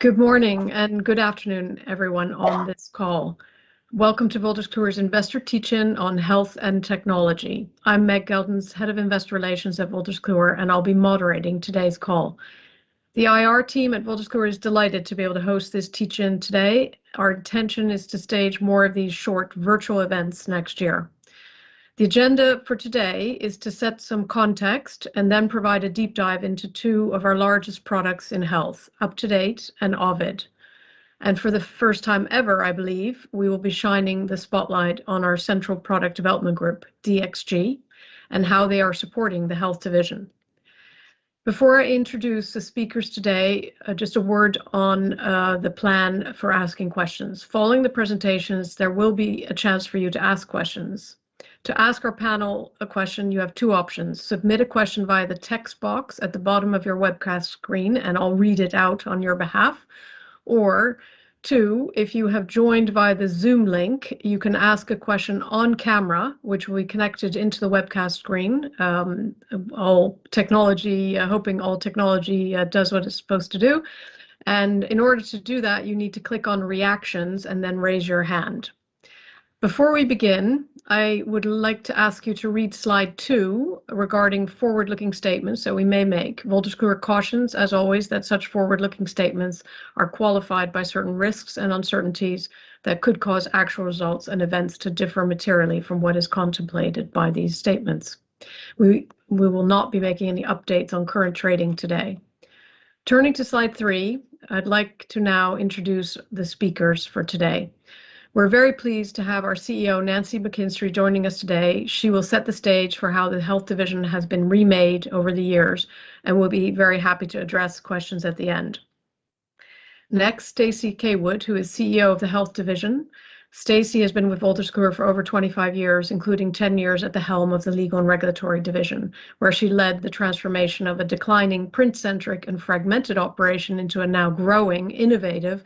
Good morning and good afternoon everyone on this call. Welcome to Wolters Kluwer's Investor Teach-In on Health & Technology. I'm Meg Geldens, Head of Investor Relations at Wolters Kluwer, and I'll be moderating today's call. The IR team at Wolters Kluwer is delighted to be able to host this teach-in today. Our intention is to stage more of these short virtual events next year. The agenda for today is to set some context and then provide a deep dive into two of our largest products in health, UpToDate and Ovid. For the first time ever, I believe, we will be shining the spotlight on our central product development group, DXG, and how they are supporting the health division. Before I introduce the speakers today, just a word on the plan for asking questions. Following the presentations, there will be a chance for you to ask questions. To ask our panel a question, you have two options. Submit a question via the text box at the bottom of your webcast screen, and I'll read it out on your behalf. Or, two, if you have joined via the Zoom link, you can ask a question on camera, which will be connected into the webcast screen, hoping all technology does what it's supposed to do. In order to do that, you need to click on Reactions and then raise your hand. Before we begin, I would like to ask you to read slide two regarding forward-looking statements that we may make. Wolters Kluwer cautions, as always, that such forward-looking statements are qualified by certain risks and uncertainties that could cause actual results and events to differ materially from what is contemplated by these statements. We will not be making any updates on current trading today. Turning to slide three, I'd like to now introduce the speakers for today. We're very pleased to have our CEO, Nancy McKinstry, joining us today. She will set the stage for how the Health Division has been remade over the years and will be very happy to address questions at the end. Next, Stacey Caywood, who is CEO of the Health Division. Stacey has been with Wolters Kluwer for over 25 years, including 10 years at the helm of the Legal & Regulatory Division, where she led the transformation of a declining print-centric and fragmented operation into a now growing, innovative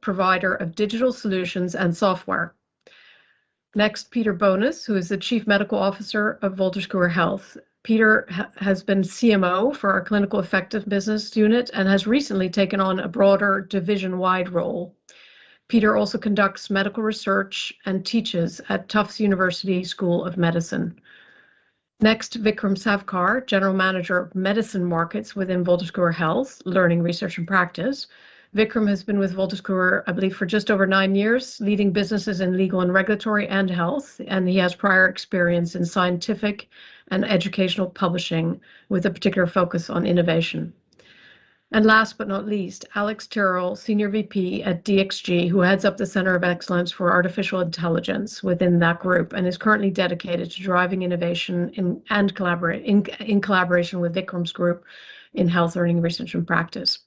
provider of digital solutions and software. Next, Peter Bonis, who is the Chief Medical Officer of Wolters Kluwer Health. Peter has been CMO for our Clinical Effectiveness Business Unit and has recently taken on a broader division-wide role. Peter also conducts medical research and teaches at Tufts University School of Medicine. Next, Vikram Savkar, General Manager of Medicine Markets within Wolters Kluwer Health Learning, Research and Practice. Vikram has been with Wolters Kluwer, I believe, for just over nine years, leading businesses in legal and regulatory and health, and he has prior experience in scientific and educational publishing, with a particular focus on innovation. Last but not least, Alex Tyrrell, Senior VP at DXG, who heads up the Center of Excellence for Artificial Intelligence within that group and is currently dedicated to driving innovation in collaboration with Vikram's group in Health Learning, Research and Practice.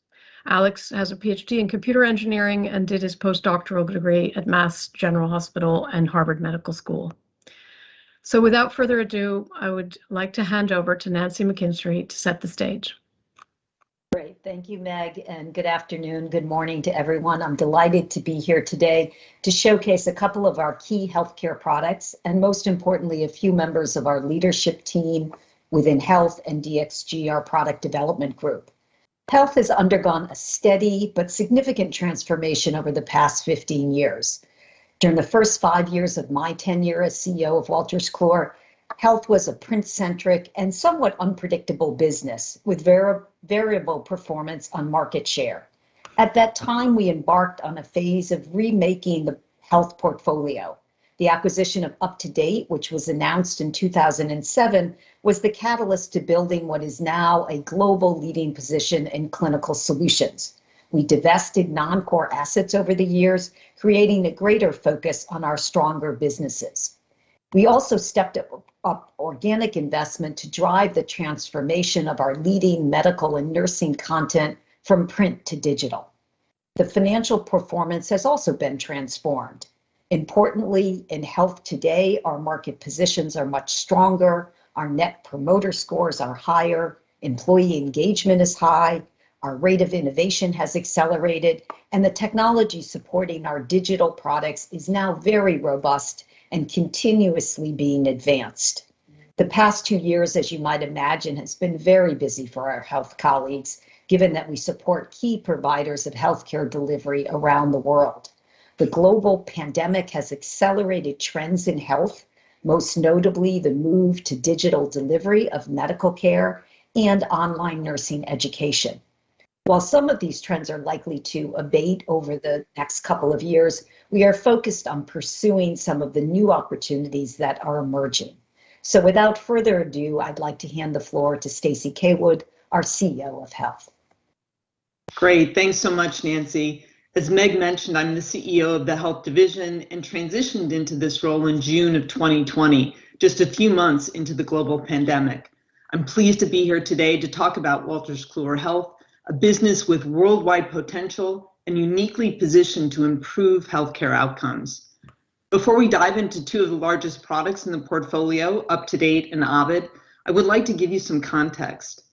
Alex has a PhD in Computer Engineering and did his postdoctoral degree at Mass General Hospital and Harvard Medical School. Without further ado, I would like to hand over to Nancy McKinstry to set the stage. Great. Thank you, Meg, and good afternoon, good morning to everyone. I'm delighted to be here today to showcase a couple of our key healthcare products and, most importantly, a few members of our leadership team within Health and DXG, our product development group. Health has undergone a steady but significant transformation over the past 15 years. During the first five years of my tenure as CEO of Wolters Kluwer, Health was a print-centric and somewhat unpredictable business with variable performance on market share. At that time, we embarked on a phase of remaking the health portfolio. The acquisition of UpToDate, which was announced in 2007, was the catalyst to building what is now a global leading position in clinical solutions. We divested non-core assets over the years, creating a greater focus on our stronger businesses. We stepped up organic investment to drive the transformation of our leading medical and nursing content from print to digital. The financial performance has also been transformed. Importantly, in Health today, our market positions are much stronger, our Net Promoter Scores are higher, employee engagement is high, our rate of innovation has accelerated, and the technology supporting our digital products is now very robust and continuously being advanced. The past two years, as you might imagine, has been very busy for our Health colleagues, given that we support key providers of healthcare delivery around the world. The global pandemic has accelerated trends in health, most notably the move to digital delivery of medical care and online nursing education. While some of these trends are likely to abate over the next couple of years, we are focused on pursuing some of the new opportunities that are emerging. Without further ado, I'd like to hand the floor to Stacey Caywood, our CEO of Health. Great. Thanks so much, Nancy. As Meg mentioned, I'm the CEO of the Health Division and transitioned into this role in June 2020, just a few months into the global pandemic. I'm pleased to be here today to talk about Wolters Kluwer Health, a business with worldwide potential and uniquely positioned to improve healthcare outcomes. Before we dive into two of the largest products in the portfolio, UpToDate and Ovid, I would like to give you some context.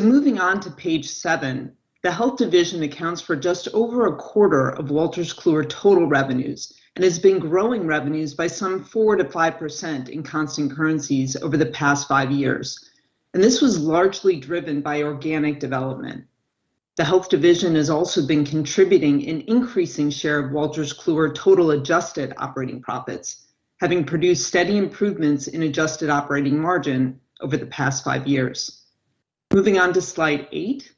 Moving on to page seven, the Health Division accounts for just over 1/4 of Wolters Kluwer total revenues and has been growing revenues by some 4%-5% in constant currencies over the past five years. This was largely driven by organic development. The Health Division has also been contributing an increasing share of Wolters Kluwer total adjusted operating profits, having produced steady improvements in adjusted operating margin over the past five years. Moving on to slide eight.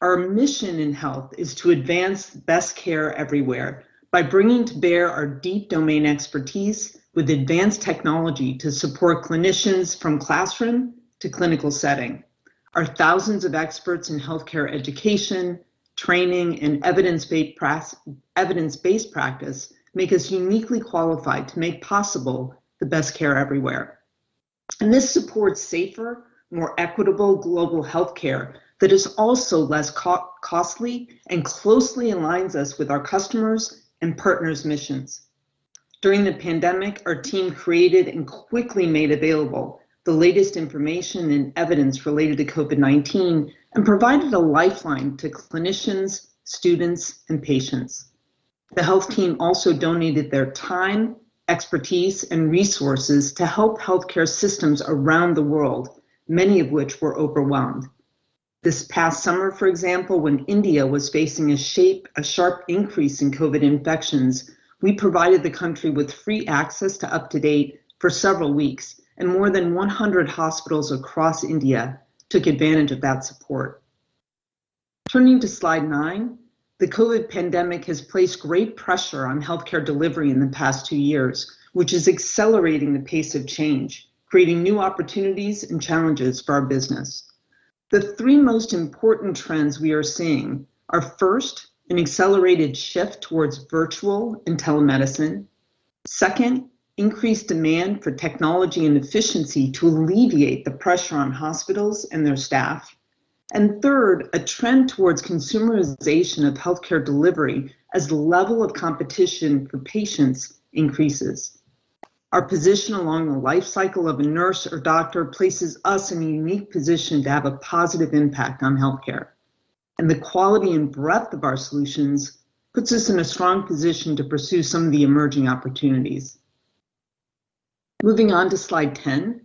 Our mission in health is to advance best care everywhere by bringing to bear our deep domain expertise with advanced technology to support clinicians from classroom to clinical setting. Our thousands of experts in healthcare education, training, and evidence-based practice make us uniquely qualified to make possible the best care everywhere. This supports safer, more equitable global healthcare that is also less costly and closely aligns us with our customers' and partners' missions. During the pandemic, our team created and quickly made available the latest information and evidence related to COVID-19 and provided a lifeline to clinicians, students, and patients. The health team also donated their time, expertise, and resources to help healthcare systems around the world, many of which were overwhelmed. This past summer, for example, when India was facing a sharp increase in COVID infections, we provided the country with free access to UpToDate for several weeks, and more than 100 hospitals across India took advantage of that support. Turning to slide nine, the COVID pandemic has placed great pressure on healthcare delivery in the past two years, which is accelerating the pace of change, creating new opportunities and challenges for our business. The three most important trends we are seeing are, first, an accelerated shift towards virtual and telemedicine. Second, increased demand for technology and efficiency to alleviate the pressure on hospitals and their staff. Third, a trend towards consumerization of healthcare delivery as the level of competition for patients increases. Our position along the life cycle of a nurse or doctor places us in a unique position to have a positive impact on healthcare. The quality and breadth of our solutions puts us in a strong position to pursue some of the emerging opportunities. Moving on to slide 10.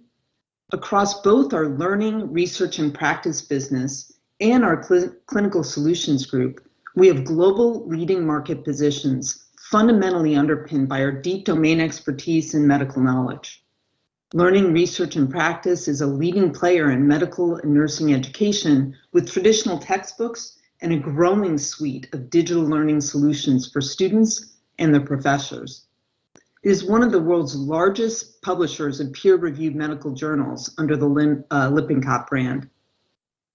Across both our Learning, Research and Practice business and our Clinical Solutions Group, we have global leading market positions fundamentally underpinned by our deep domain expertise and medical knowledge. Learning, Research and Practice is a leading player in medical and nursing education with traditional textbooks and a growing suite of digital learning solutions for students and their professors. It is one of the world's largest publishers of peer-reviewed medical journals under the Lippincott brand.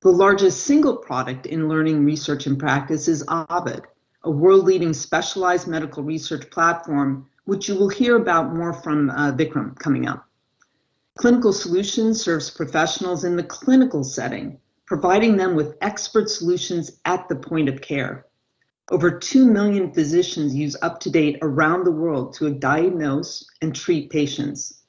The largest single product in Learning, Research and Practice is Ovid, a world-leading specialized medical research platform, which you will hear about more from Vikram coming up. Clinical Solutions serves professionals in the clinical setting, providing them with expert solutions at the point of care. Over 2 million physicians use UpToDate around the world to diagnose and treat patients.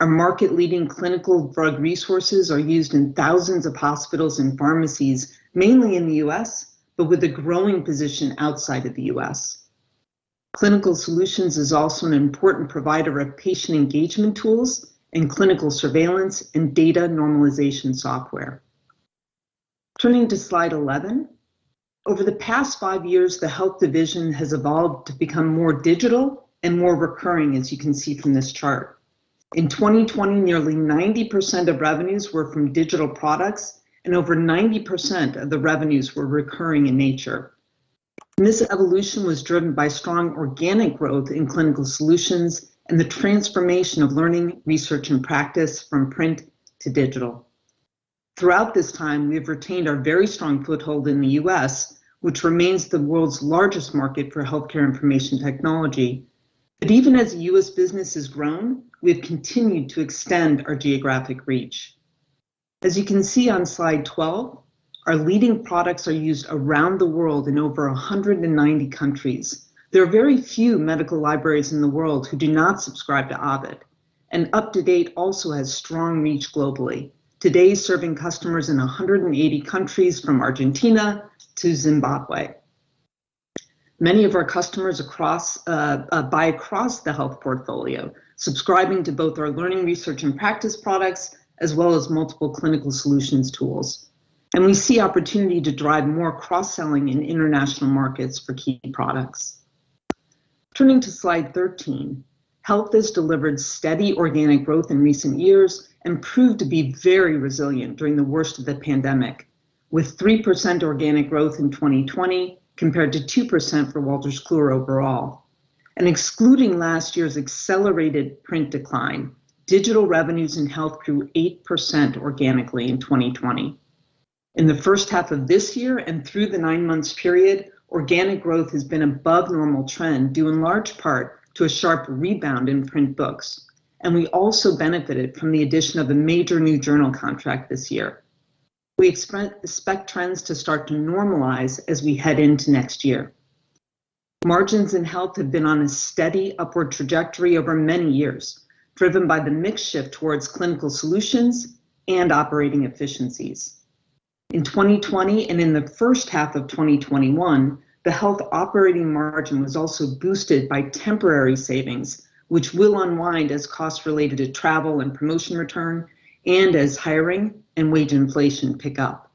Our market-leading clinical drug resources are used in thousands of hospitals and pharmacies, mainly in the U.S., but with a growing position outside of the U.S. Clinical Solutions is also an important provider of patient engagement tools and clinical surveillance and data normalization software. Turning to slide 11. Over the past five years, the Health Division has evolved to become more digital and more recurring, as you can see from this chart. In 2020, nearly 90% of revenues were from digital products, and over 90% of the revenues were recurring in nature. This evolution was driven by strong organic growth in Clinical Solutions and the transformation of Learning, Research and Practice from print to digital. Throughout this time, we have retained our very strong foothold in the U.S., which remains the world's largest market for healthcare information technology. Even as U.S. business has grown, we have continued to extend our geographic reach. As you can see on slide 12, our leading products are used around the world in over 190 countries. There are very few medical libraries in the world who do not subscribe to Ovid, and UpToDate also has strong reach globally, today serving customers in 180 countries from Argentina to Zimbabwe. Many of our customers across the health portfolio, subscribing to both our Learning, Research and Practice products as well as multiple Clinical Solutions tools. We see opportunity to drive more cross-selling in international markets for key products. Turning to slide 13. Health has delivered steady organic growth in recent years and proved to be very resilient during the worst of the pandemic, with 3% organic growth in 2020 compared to 2% for Wolters Kluwer overall. Excluding last year's accelerated print decline, digital revenues in health grew 8% organically in 2020. In the first half of this year and through the nine-month period, organic growth has been above normal trend, due in large part to a sharp rebound in print books. We also benefited from the addition of a major new journal contract this year. We expect trends to start to normalize as we head into next year. Margins in Health have been on a steady upward trajectory over many years, driven by the mix shift towards Clinical Solutions and operating efficiencies. In 2020 and in the first half of 2021, the Health operating margin was also boosted by temporary savings, which will unwind as costs related to travel and promotion return and as hiring and wage inflation pick up.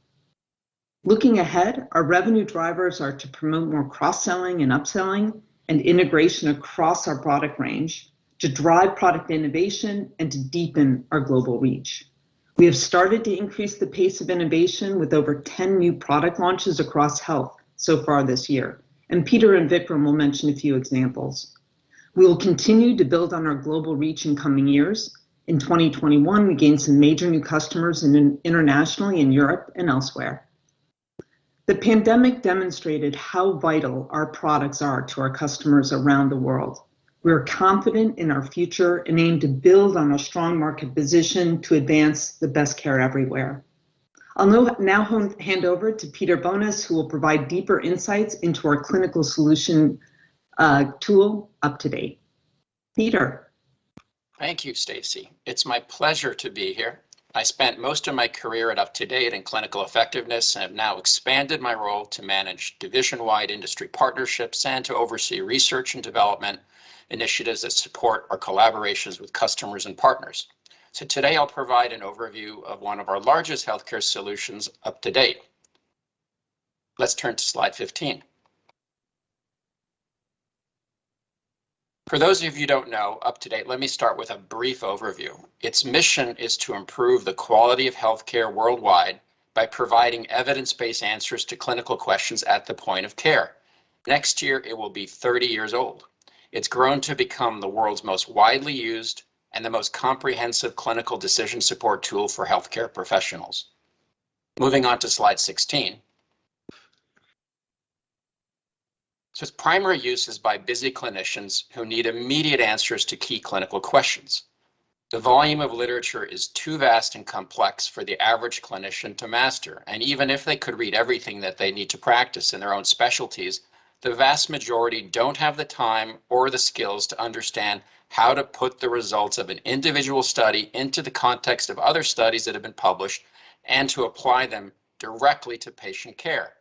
Looking ahead, our revenue drivers are to promote more cross-selling and upselling and integration across our product range to drive product innovation and to deepen our global reach. We have started to increase the pace of innovation with over 10 new product launches across Health so far this year, and Peter and Vikram will mention a few examples. We will continue to build on our global reach in coming years. In 2021, we gained some major new customers internationally in Europe and elsewhere. The pandemic demonstrated how vital our products are to our customers around the world. We are confident in our future and aim to build on our strong market position to advance the best care everywhere. I'll now hand over to Peter Bonis, who will provide deeper insights into our clinical solution tool UpToDate. Peter? Thank you, Stacey. It's my pleasure to be here. I spent most of my career at UpToDate in Clinical Effectiveness and have now expanded my role to manage division-wide industry partnerships and to oversee research and development initiatives that support our collaborations with customers and partners. Today I'll provide an overview of one of our largest healthcare solutions, UpToDate. Let's turn to slide 15. For those of you who don't know UpToDate, let me start with a brief overview. Its mission is to improve the quality of healthcare worldwide by providing evidence-based answers to clinical questions at the point of care. Next year, it will be 30 years old. It's grown to become the world's most widely used and the most comprehensive clinical decision support tool for healthcare professionals. Moving on to slide 16. Its primary use is by busy clinicians who need immediate answers to key clinical questions. The volume of literature is too vast and complex for the average clinician to master. Even if they could read everything that they need to practice in their own specialties, the vast majority don't have the time or the skills to understand how to put the results of an individual study into the context of other studies that have been published and to apply them directly to patient care.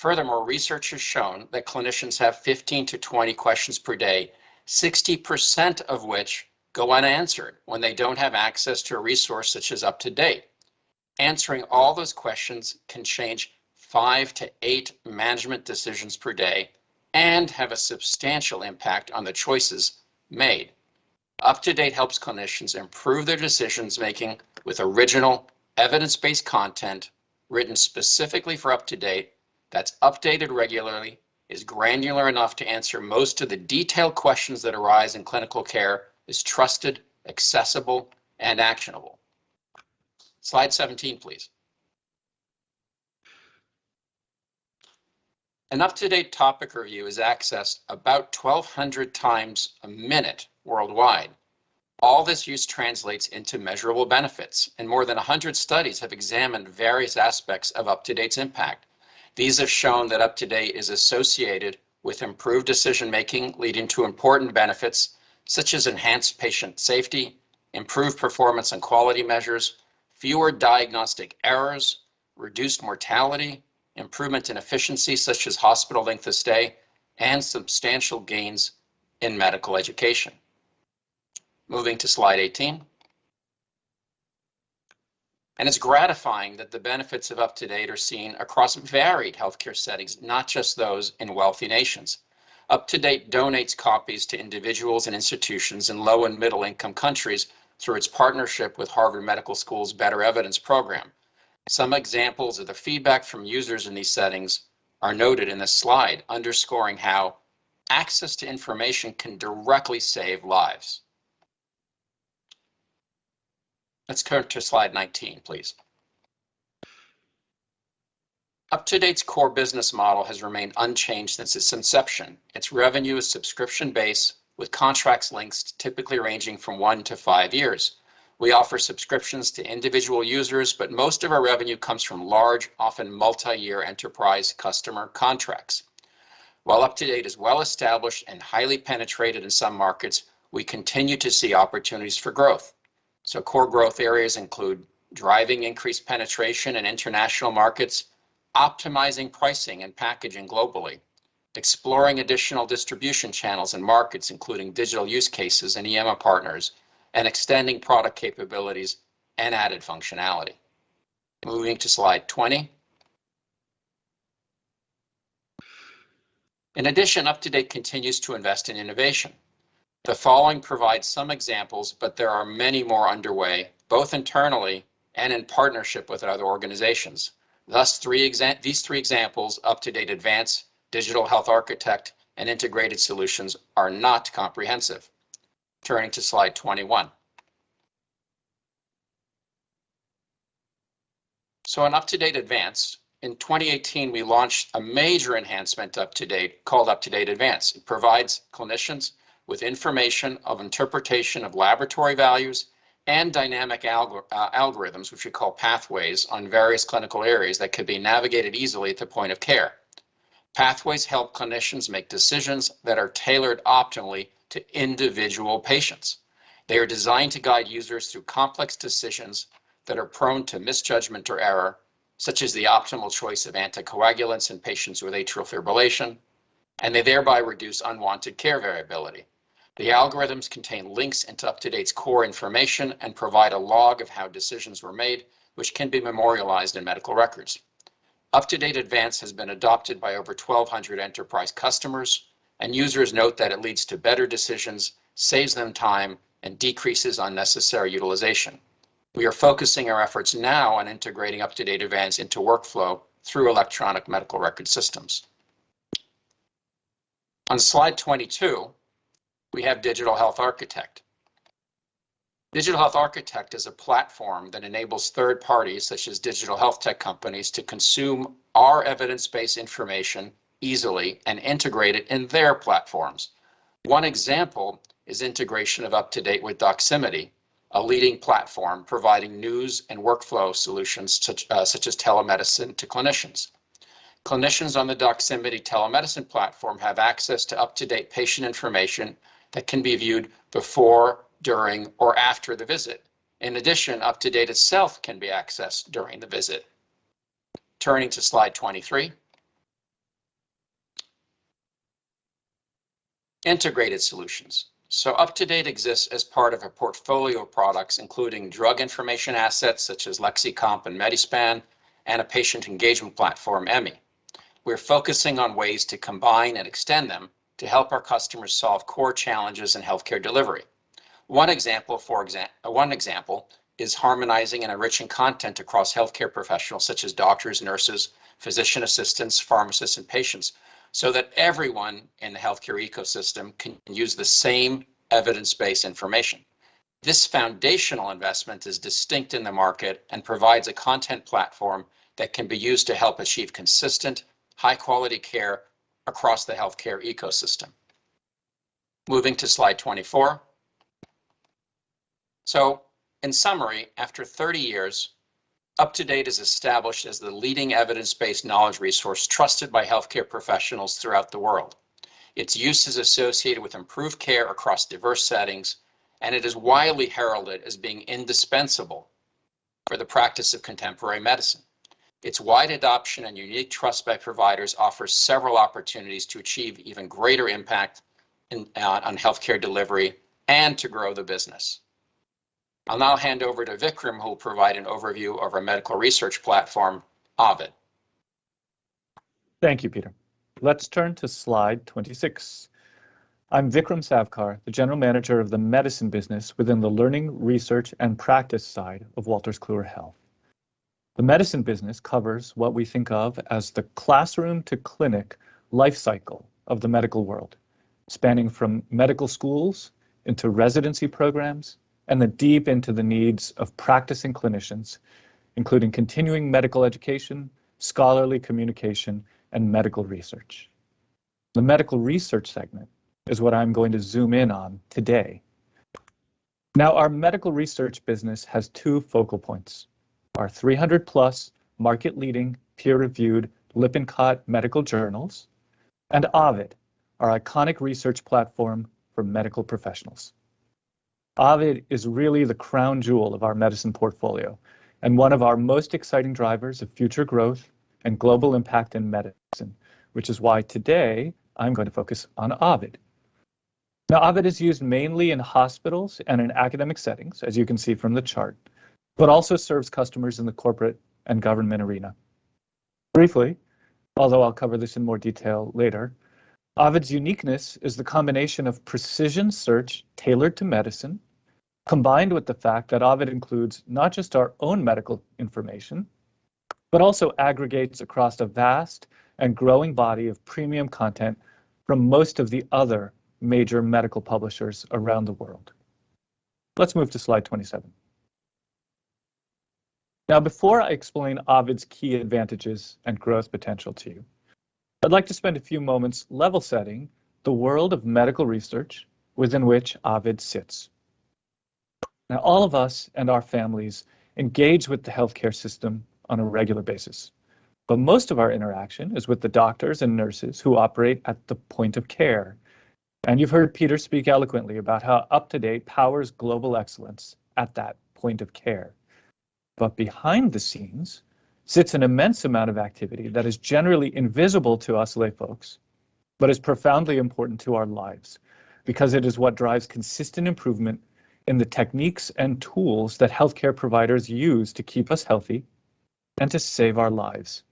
Furthermore, research has shown that clinicians have 15-20 questions per day, 60% of which go unanswered when they don't have access to a resource such as UpToDate. Answering all those questions can change five to eight management decisions per day and have a substantial impact on the choices made. UpToDate helps clinicians improve their decision-making with original evidence-based content written specifically for UpToDate that's updated regularly, is granular enough to answer most of the detailed questions that arise in clinical care, is trusted, accessible, and actionable. Slide 17, please. An UpToDate topic review is accessed about 1,200 times a minute worldwide. All this use translates into measurable benefits, and more than 100 studies have examined various aspects of UpToDate's impact. These have shown that UpToDate is associated with improved decision-making, leading to important benefits such as enhanced patient safety, improved performance and quality measures, fewer diagnostic errors, reduced mortality, improvement in efficiency such as hospital length of stay, and substantial gains in medical education. Moving to slide 18. It's gratifying that the benefits of UpToDate are seen across varied healthcare settings, not just those in wealthy nations. UpToDate donates copies to individuals and institutions in low- and middle-income countries through its partnership with Harvard Medical School's Better Evidence program. Some examples of the feedback from users in these settings are noted in this slide, underscoring how access to information can directly save lives. Let's go to slide 19, please. UpToDate's core business model has remained unchanged since its inception. Its revenue is subscription-based, with contract lengths typically ranging from one to five years. We offer subscriptions to individual users, but most of our revenue comes from large, often multi-year enterprise customer contracts. While UpToDate is well-established and highly penetrated in some markets, we continue to see opportunities for growth. Core growth areas include driving increased penetration in international markets, optimizing pricing and packaging globally, exploring additional distribution channels and markets, including digital use cases and EMR partners, and extending product capabilities and added functionality. Moving to slide 20. In addition, UpToDate continues to invest in innovation. The following provides some examples, but there are many more underway, both internally and in partnership with other organizations. These three examples, UpToDate Advanced, Digital Health Architect, and Integrated Solutions, are not comprehensive. Turning to slide 21. In UpToDate Advanced, in 2018 we launched a major enhancement to UpToDate called UpToDate Advanced. It provides clinicians with information on interpretation of laboratory values and dynamic algorithms, which we call Pathways, on various clinical areas that could be navigated easily at the point of care. Pathways help clinicians make decisions that are tailored optimally to individual patients. They are designed to guide users through complex decisions that are prone to misjudgment or error, such as the optimal choice of anticoagulants in patients with atrial fibrillation, and they thereby reduce unwanted care variability. The algorithms contain links into UpToDate's core information and provide a log of how decisions were made, which can be memorialized in medical records. UpToDate Advanced has been adopted by over 1,200 enterprise customers, and users note that it leads to better decisions, saves them time, and decreases unnecessary utilization. We are focusing our efforts now on integrating UpToDate Advanced into workflow through electronic medical record systems. On slide 22, we have Digital Health Architect. Digital Health Architect is a platform that enables third parties, such as digital health tech companies, to consume our evidence-based information easily and integrate it in their platforms. One example is integration of UpToDate with Doximity, a leading platform providing news and workflow solutions such as telemedicine to clinicians. Clinicians on the Doximity telemedicine platform have access to UpToDate patient information that can be viewed before, during, or after the visit. In addition, UpToDate itself can be accessed during the visit. Turning to slide 23. Integrated solutions. UpToDate exists as part of a portfolio of products, including drug information assets such as Lexicomp and Medi-Span, and a patient engagement platform, Emmi. We're focusing on ways to combine and extend them to help our customers solve core challenges in healthcare delivery. One example is harmonizing and enriching content across healthcare professionals such as doctors, nurses, physician assistants, pharmacists, and patients so that everyone in the healthcare ecosystem can use the same evidence-based information. This foundational investment is distinct in the market and provides a content platform that can be used to help achieve consistent, high-quality care across the healthcare ecosystem. Moving to slide 24. In summary, after 30 years, UpToDate is established as the leading evidence-based knowledge resource trusted by healthcare professionals throughout the world. Its use is associated with improved care across diverse settings, and it is widely heralded as being indispensable for the practice of contemporary medicine. Its wide adoption and unique trust by providers offers several opportunities to achieve even greater impact on healthcare delivery and to grow the business. I'll now hand over to Vikram, who will provide an overview of our medical research platform, Ovid. Thank you, Peter. Let's turn to slide 26. I'm Vikram Savkar, the General Manager of the Medicine business within the Learning, Research and Practice side of Wolters Kluwer Health. The Medicine business covers what we think of as the classroom to clinic life cycle of the medical world, spanning from medical schools into residency programs and then deep into the needs of practicing clinicians, including continuing medical education, scholarly communication, and medical research. The medical research segment is what I'm going to zoom in on today. Our medical research business has two focal points. Our 300+ market-leading, peer-reviewed Lippincott medical journals and Ovid, our iconic research platform for medical professionals. Ovid is really the crown jewel of our Medicine portfolio and one of our most exciting drivers of future growth and global impact in medicine, which is why today I'm going to focus on Ovid. Now, Ovid is used mainly in hospitals and in academic settings, as you can see from the chart, but also serves customers in the corporate and government arena. Briefly, although I'll cover this in more detail later, Ovid's uniqueness is the combination of precision search tailored to medicine, combined with the fact that Ovid includes not just our own medical information, but also aggregates across a vast and growing body of premium content from most of the other major medical publishers around the world. Let's move to slide 27. Now, before I explain Ovid's key advantages and growth potential to you, I'd like to spend a few moments level setting the world of medical research within which Ovid sits. Now, all of us and our families engage with the healthcare system on a regular basis, but most of our interaction is with the doctors and nurses who operate at the point of care. You've heard Peter speak eloquently about how UpToDate powers global excellence at that point of care. Behind the scenes sits an immense amount of activity that is generally invisible to us lay folks, but is profoundly important to our lives because it is what drives consistent improvement in the techniques and tools that healthcare providers use to keep us healthy and to save our lives.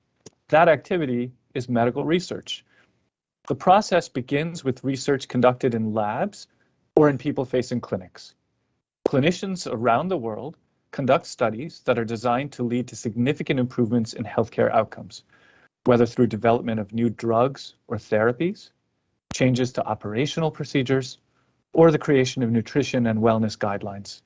That activity is medical research. The process begins with research conducted in labs or in patient-facing clinics. Clinicians around the world conduct studies that are designed to lead to significant improvements in healthcare outcomes, whether through development of new drugs or therapies, changes to operational procedures, or the creation of nutrition and wellness guidelines.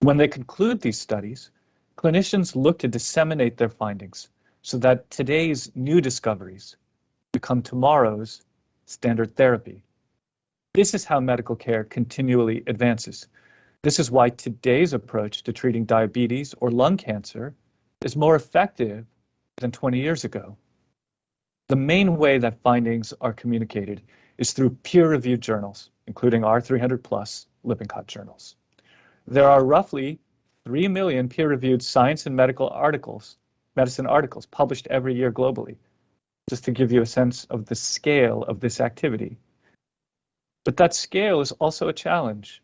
When they conclude these studies, clinicians look to disseminate their findings so that today's new discoveries become tomorrow's standard therapy. This is how medical care continually advances. This is why today's approach to treating diabetes or lung cancer is more effective than 20 years ago. The main way that findings are communicated is through peer-reviewed journals, including our 300+ Lippincott journals. There are roughly 3 million peer-reviewed science and medical articles published every year globally, just to give you a sense of the scale of this activity. That scale is also a challenge.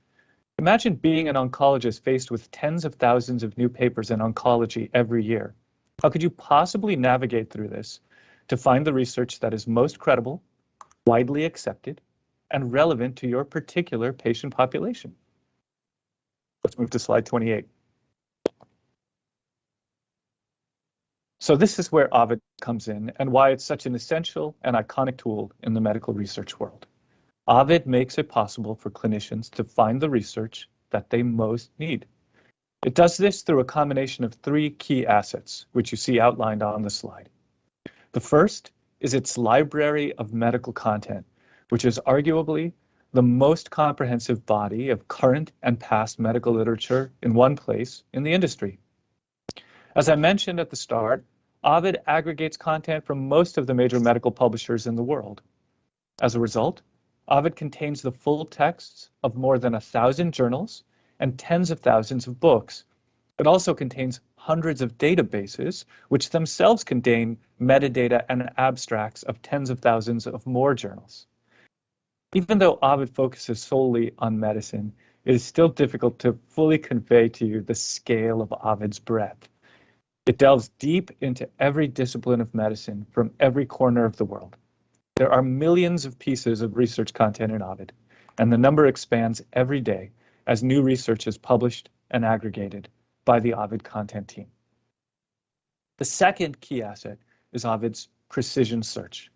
Imagine being an oncologist faced with tens of thousands of new papers in oncology every year. How could you possibly navigate through this to find the research that is most credible, widely accepted, and relevant to your particular patient population? Let's move to slide 28. This is where Ovid comes in and why it's such an essential and iconic tool in the medical research world. Ovid makes it possible for clinicians to find the research that they most need. It does this through a combination of three key assets, which you see outlined on the slide. The first is its library of medical content, which is arguably the most comprehensive body of current and past medical literature in one place in the industry. As I mentioned at the start, Ovid aggregates content from most of the major medical publishers in the world. As a result, Ovid contains the full texts of more than 1,000 journals and tens of thousands of books. It also contains hundreds of databases which themselves contain metadata and abstracts of tens of thousands of more journals. Even though Ovid focuses solely on medicine, it is still difficult to fully convey to you the scale of Ovid's breadth. It delves deep into every discipline of medicine from every corner of the world. There are millions of pieces of research content in Ovid, and the number expands every day as new research is published and aggregated by the Ovid content team. The second key asset is Ovid's Precision Search.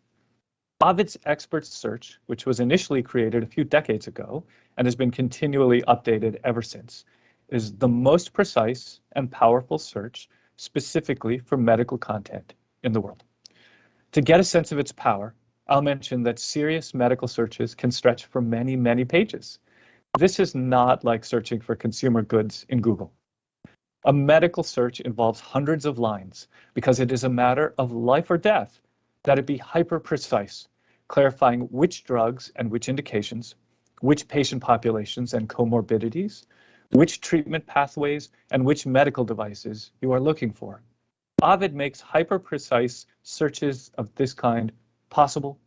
Ovid's Expert Search, which was initially created a few decades ago and has been continually updated ever since, is the most precise and powerful search specifically for medical content in the world. To get a sense of its power, I'll mention that serious medical searches can stretch for many, many pages. This is not like searching for consumer goods in Google. A medical search involves hundreds of lines because it is a matter of life or death that it be hyper-precise, clarifying which drugs and which indications, which patient populations and comorbidities, which treatment pathways, and which medical devices you are looking for. Ovid makes hyper-precise searches of this kind possible,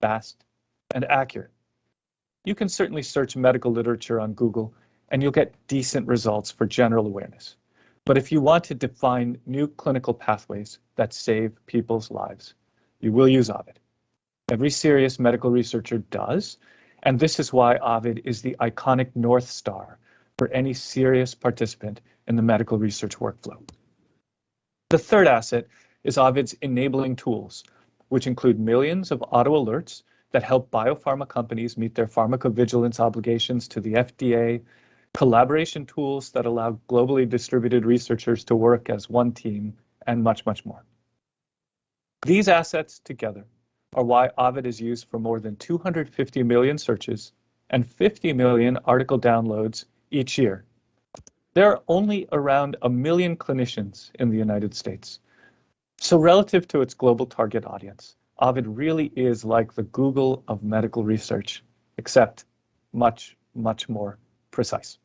fast, and accurate. You can certainly search medical literature on Google, and you'll get decent results for general awareness. If you want to define new clinical pathways that save people's lives, you will use Ovid. Every serious medical researcher does, and this is why Ovid is the iconic North Star for any serious participant in the medical research workflow. The third asset is Ovid's enabling tools, which include millions of auto alerts that help biopharma companies meet their pharmacovigilance obligations to the FDA, collaboration tools that allow globally distributed researchers to work as one team, and much, much more. These assets together are why Ovid is used for more than 250 million searches and 50 million article downloads each year. There are only around 1 million clinicians in the United States. So relative to its global target audience, Ovid really is like the Google of medical research, except much, much more precise.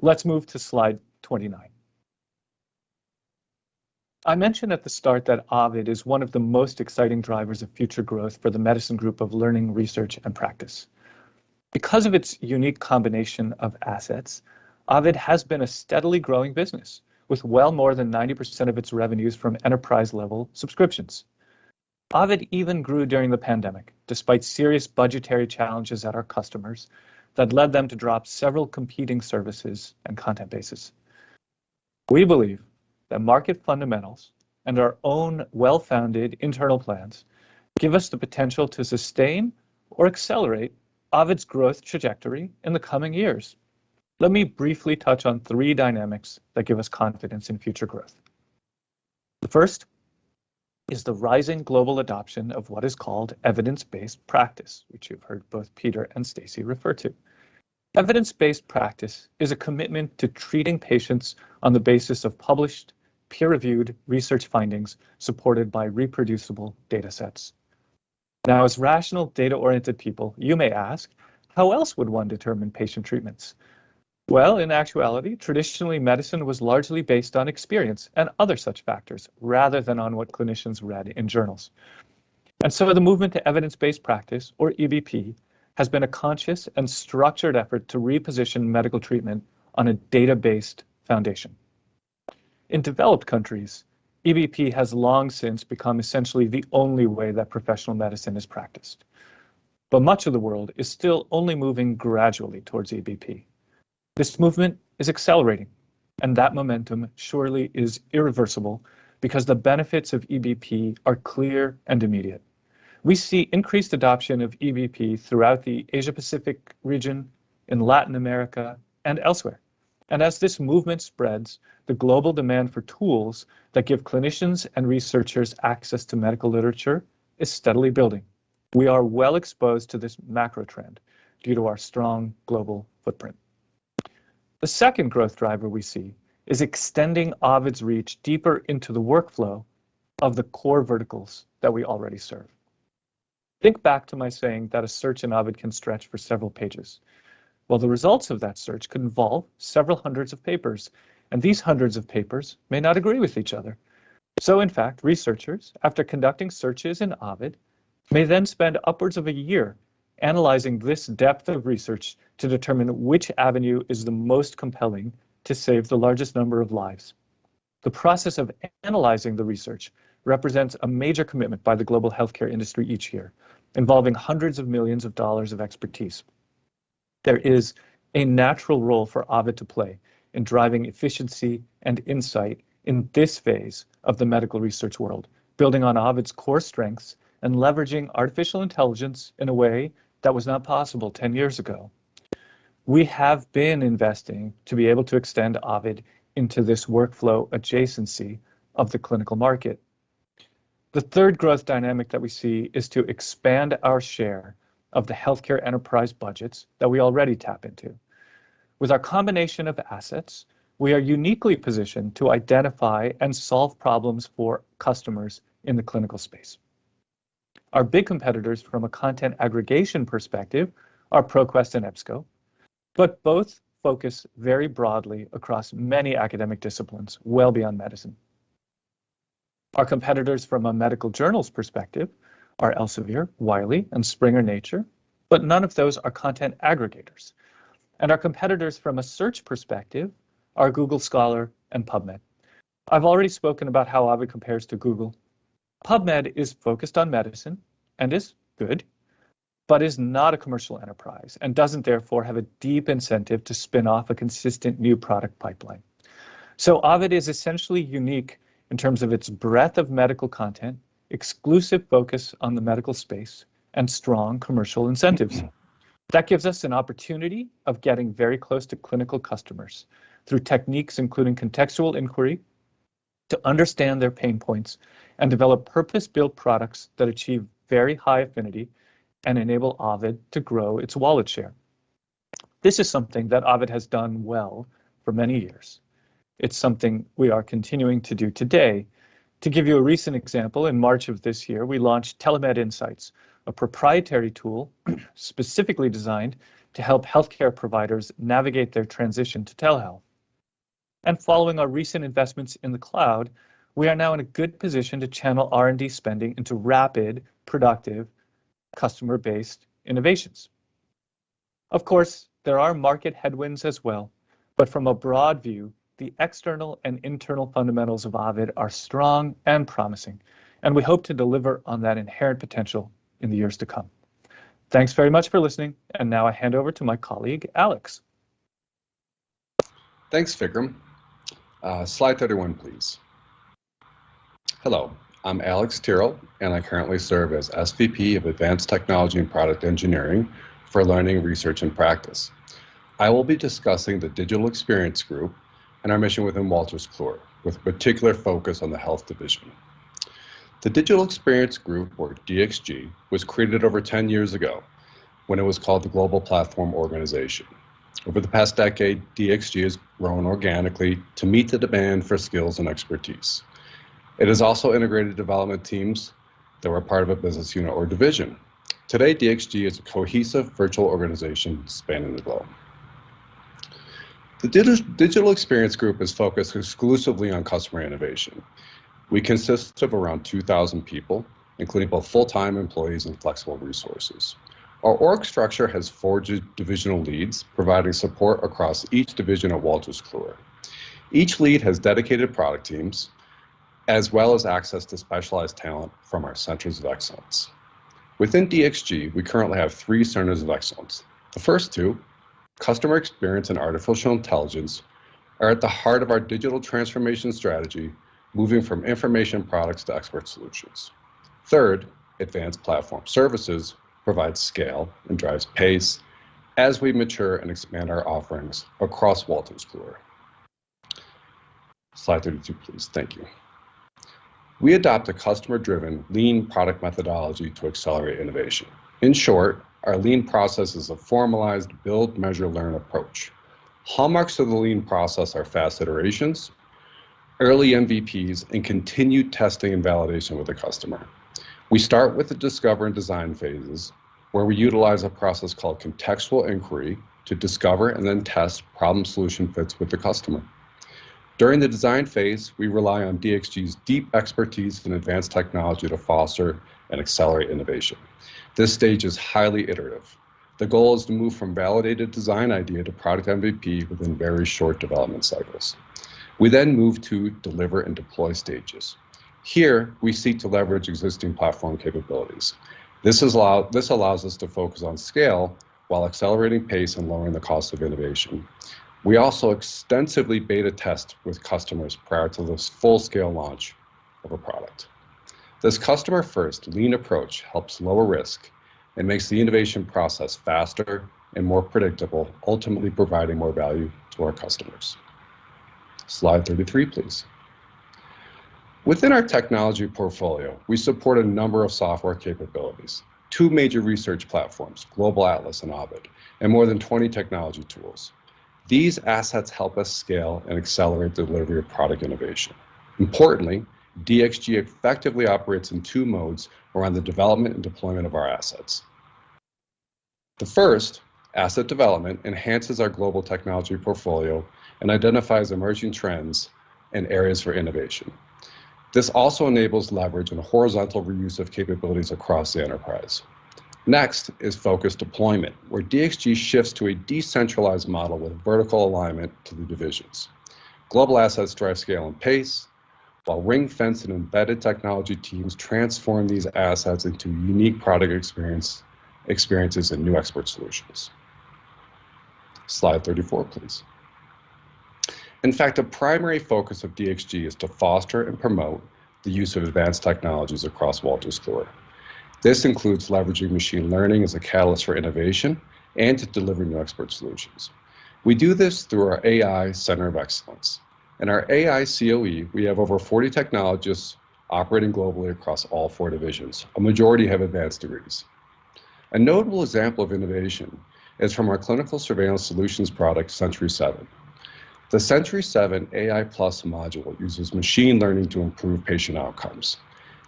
Let's move to slide 29. I mentioned at the start that Ovid is one of the most exciting drivers of future growth for the medicine group of Health Learning, Research and Practice. Because of its unique combination of assets, Ovid has been a steadily growing business with well more than 90% of its revenues from enterprise-level subscriptions. Ovid even grew during the pandemic, despite serious budgetary challenges at our customers that led them to drop several competing services and content bases. We believe that market fundamentals and our own well-founded internal plans give us the potential to sustain or accelerate Ovid's growth trajectory in the coming years. Let me briefly touch on three dynamics that give us confidence in future growth. The first is the rising global adoption of what is called evidence-based practice, which you've heard both Peter and Stacey refer to. Evidence-based practice is a commitment to treating patients on the basis of published peer-reviewed research findings supported by reproducible datasets. Now, as rational data-oriented people, you may ask, how else would one determine patient treatments? Well, in actuality, traditionally, medicine was largely based on experience and other such factors rather than on what clinicians read in journals. The movement to evidence-based practice, or EBP, has been a conscious and structured effort to reposition medical treatment on a data-based foundation. In developed countries, EBP has long since become essentially the only way that professional medicine is practiced. Much of the world is still only moving gradually towards EBP. This movement is accelerating, and that momentum surely is irreversible because the benefits of EBP are clear and immediate. We see increased adoption of EBP throughout the Asia-Pacific region, in Latin America, and elsewhere. As this movement spreads, the global demand for tools that give clinicians and researchers access to medical literature is steadily building. We are well exposed to this macro trend due to our strong global footprint. The second growth driver we see is extending Ovid's reach deeper into the workflow of the core verticals that we already serve. Think back to my saying that a search in Ovid can stretch for several pages. Well, the results of that search could involve several hundreds of papers, and these hundreds of papers may not agree with each other. Researchers, after conducting searches in Ovid, may then spend upwards of a year analyzing this depth of research to determine which avenue is the most compelling to save the largest number of lives. The process of analyzing the research represents a major commitment by the global healthcare industry each year, involving hundreds of millions of dollars of expertise. There is a natural role for Ovid to play in driving efficiency and insight in this phase of the medical research world, building on Ovid's core strengths and leveraging artificial intelligence in a way that was not possible 10 years ago. We have been investing to be able to extend Ovid into this workflow adjacency of the clinical market. The third growth dynamic that we see is to expand our share of the healthcare enterprise budgets that we already tap into. With our combination of assets, we are uniquely positioned to identify and solve problems for customers in the clinical space. Our big competitors from a content aggregation perspective are ProQuest and EBSCO, but both focus very broadly across many academic disciplines well beyond medicine. Our competitors from a medical journals perspective are Elsevier, Wiley, and Springer Nature, but none of those are content aggregators. Our competitors from a search perspective are Google Scholar and PubMed. I've already spoken about how Ovid compares to Google. PubMed is focused on medicine and is good, but is not a commercial enterprise and doesn't therefore have a deep incentive to spin off a consistent new product pipeline. Ovid is essentially unique in terms of its breadth of medical content, exclusive focus on the medical space, and strong commercial incentives. That gives us an opportunity of getting very close to clinical customers through techniques including contextual inquiry to understand their pain points and develop purpose-built products that achieve very high affinity and enable Ovid to grow its wallet share. This is something that Ovid has done well for many years. It's something we are continuing to do today. To give you a recent example, in March of this year, we launched TelemedInsights, a proprietary tool specifically designed to help healthcare providers navigate their transition to telehealth. Following our recent investments in the cloud, we are now in a good position to channel R&D spending into rapid, productive, customer-based innovations. Of course, there are market headwinds as well, but from a broad view, the external and internal fundamentals of Ovid are strong and promising, and we hope to deliver on that inherent potential in the years to come. Thanks very much for listening. Now I hand over to my colleague, Alex. Thanks, Vikram. Slide 31, please. Hello, I'm Alex Tyrrell, and I currently serve as SVP of Advanced Technology and Product Engineering for Learning, Research and Practice. I will be discussing the Digital eXperience Group and our mission within Wolters Kluwer, with particular focus on the health division. The Digital eXperience Group, or DXG, was created over 10 years ago when it was called the Global Platform Organization. Over the past decade, DXG has grown organically to meet the demand for skills and expertise. It has also integrated development teams that were part of a business unit or division. Today, DXG is a cohesive virtual organization spanning the globe. The Digital eXperience Group is focused exclusively on customer innovation. We consist of around 2,000 people, including both full-time employees and flexible resources. Our org structure has four divisional leads, providing support across each division of Wolters Kluwer. Each lead has dedicated product teams, as well as access to specialized talent from our Centers of Excellence. Within DXG, we currently have three Centers of Excellence. The first two, Customer Experience and Artificial Intelligence, are at the heart of our digital transformation strategy, moving from information products to expert solutions. Third, Advanced Platform Services provides scale and drives pace as we mature and expand our offerings across Wolters Kluwer. Slide 32, please. Thank you. We adopt a customer-driven lean product methodology to accelerate innovation. In short, our lean process is a formalized build, measure, learn approach. Hallmarks of the lean process are fast iterations, early MVPs, and continued testing and validation with the customer. We start with the discover and design phases, where we utilize a process called contextual inquiry to discover and then test problem solution fits with the customer. During the design phase, we rely on DXG's deep expertise in advanced technology to foster and accelerate innovation. This stage is highly iterative. The goal is to move from validated design idea to product MVP within very short development cycles. We then move to deliver and deploy stages. Here, we seek to leverage existing platform capabilities. This allows us to focus on scale while accelerating pace and lowering the cost of innovation. We also extensively beta test with customers prior to the full-scale launch of a product. This customer-first lean approach helps lower risk and makes the innovation process faster and more predictable, ultimately providing more value to our customers. Slide 33, please. Within our technology portfolio, we support a number of software capabilities, two major research platforms, Global Atlas and Ovid, and more than 20 technology tools. These assets help us scale and accelerate delivery of product innovation. Importantly, DXG effectively operates in two modes around the development and deployment of our assets. The first, Asset Development, enhances our global technology portfolio and identifies emerging trends and areas for innovation. This also enables leverage and horizontal reuse of capabilities across the enterprise. Next is Focused Deployment, where DXG shifts to a decentralized model with a vertical alignment to the divisions. Global assets drive scale and pace, while ring-fence and embedded technology teams transform these assets into unique product experiences and new expert solutions. Slide 34, please. In fact, a primary focus of DXG is to foster and promote the use of advanced technologies across Wolters Kluwer. This includes leveraging machine learning as a catalyst for innovation and to deliver new expert solutions. We do this through our AI Center of Excellence. In our AI CoE, we have over 40 technologists operating globally across all four divisions. A majority have advanced degrees. A notable example of innovation is from our Clinical Surveillance Solutions product, Sentri7. The Sentri7 AI+ module uses machine learning to improve patient outcomes.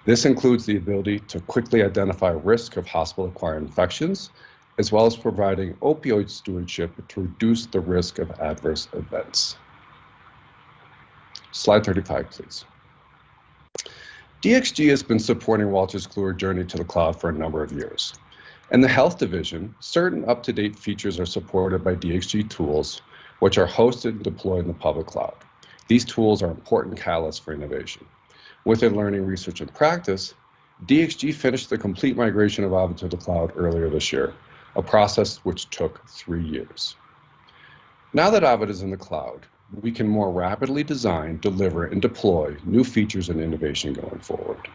This includes the ability to quickly identify risk of hospital-acquired infections, as well as providing opioid stewardship to reduce the risk of adverse events. Slide 35, please. DXG has been supporting Wolters Kluwer's journey to the cloud for a number of years. In the Health Division, certain UpToDate features are supported by DXG tools, which are hosted and deployed in the public cloud. These tools are an important catalyst for innovation. Within Learning, Research and Practice, DXG finished the complete migration of Ovid to the cloud earlier this year, a process which took 3 years. Now that Ovid is in the cloud, we can more rapidly design, deliver, and deploy new features and innovation going forward.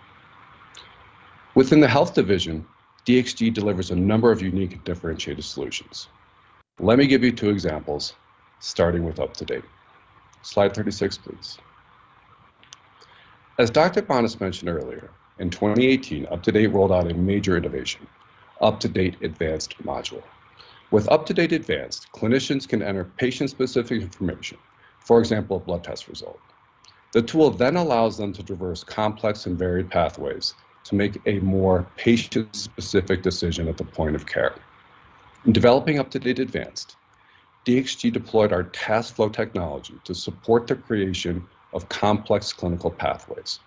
Within the health division, DXG delivers a number of unique and differentiated solutions. Let me give you two examples, starting with UpToDate. Slide 36, please. As Dr. Bonis mentioned earlier, in 2018, UpToDate rolled out a major innovation, UpToDate Advanced module. With UpToDate Advanced, clinicians can enter patient-specific information, for example, a blood test result. The tool then allows them to traverse complex and varied pathways to make a more patient-specific decision at the point of care. In developing UpToDate Advanced, DXG deployed our TaskFlow technology to support the creation of complex clinical pathways.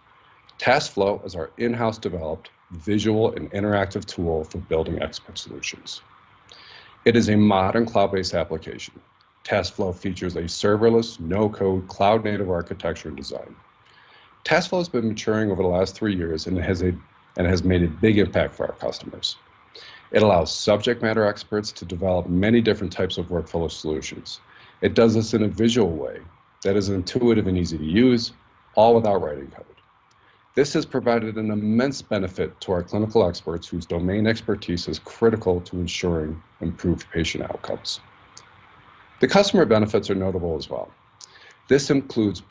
TaskFlow is our in-house developed visual and interactive tool for building expert solutions. It is a modern cloud-based application. TaskFlow features a serverless, no-code, cloud-native architecture and design. TaskFlow has been maturing over the last three years, and it has made a big impact for our customers. It allows subject matter experts to develop many different types of workflow solutions. It does this in a visual way that is intuitive and easy to use, all without writing code. This has provided an immense benefit to our clinical experts whose domain expertise is critical to ensuring improved patient outcomes. The customer benefits are notable as well. This includes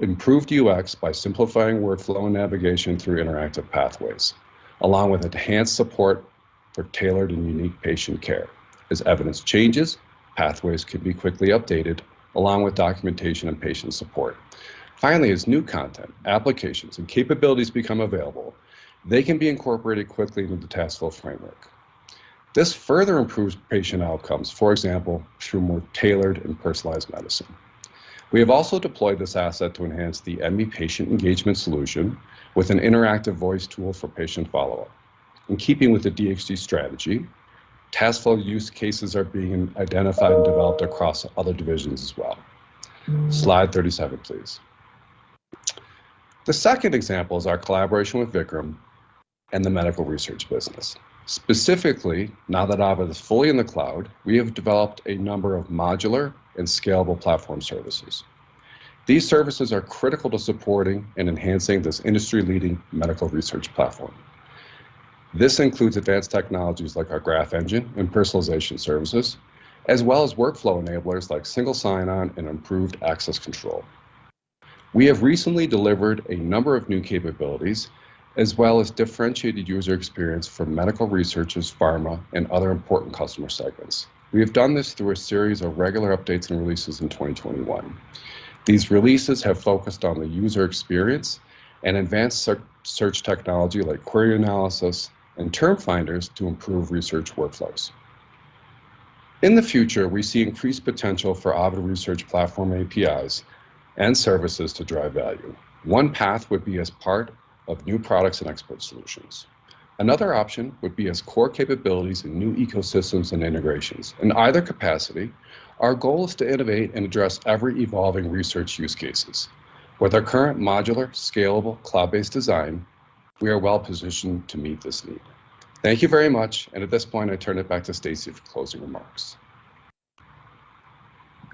improved UX by simplifying workflow and navigation through interactive Pathways, along with enhanced support for tailored and unique patient care. As evidence changes, Pathways can be quickly updated, along with documentation and patient support. Finally, as new content, applications, and capabilities become available, they can be incorporated quickly into the TaskFlow framework. This further improves patient outcomes, for example, through more tailored and personalized medicine. We have also deployed this asset to enhance the Emmi patient engagement solution with an interactive voice tool for patient follow-up. In keeping with the DXG strategy, TaskFlow use cases are being identified and developed across other divisions as well. Slide 37, please. The second example is our collaboration with Vikram and the medical research business. Specifically, now that Ovid is fully in the cloud, we have developed a number of modular and scalable platform services. These services are critical to supporting and enhancing this industry-leading medical research platform. This includes advanced technologies like our Graph Engine and Personalization Services, as well as workflow enablers like single sign-on and improved access control. We have recently delivered a number of new capabilities, as well as differentiated user experience for medical researchers, pharma, and other important customer segments. We have done this through a series of regular updates and releases in 2021. These releases have focused on the user experience and advanced search technology like query analysis and term finders to improve research workflows. In the future, we see increased potential for Ovid research platform APIs and services to drive value. One path would be as part of new products and expert solutions. Another option would be as core capabilities in new ecosystems and integrations. In either capacity, our goal is to innovate and address ever-evolving research use cases. With our current modular, scalable, cloud-based design, we are well-positioned to meet this need. Thank you very much. At this point, I turn it back to Stacey for closing remarks.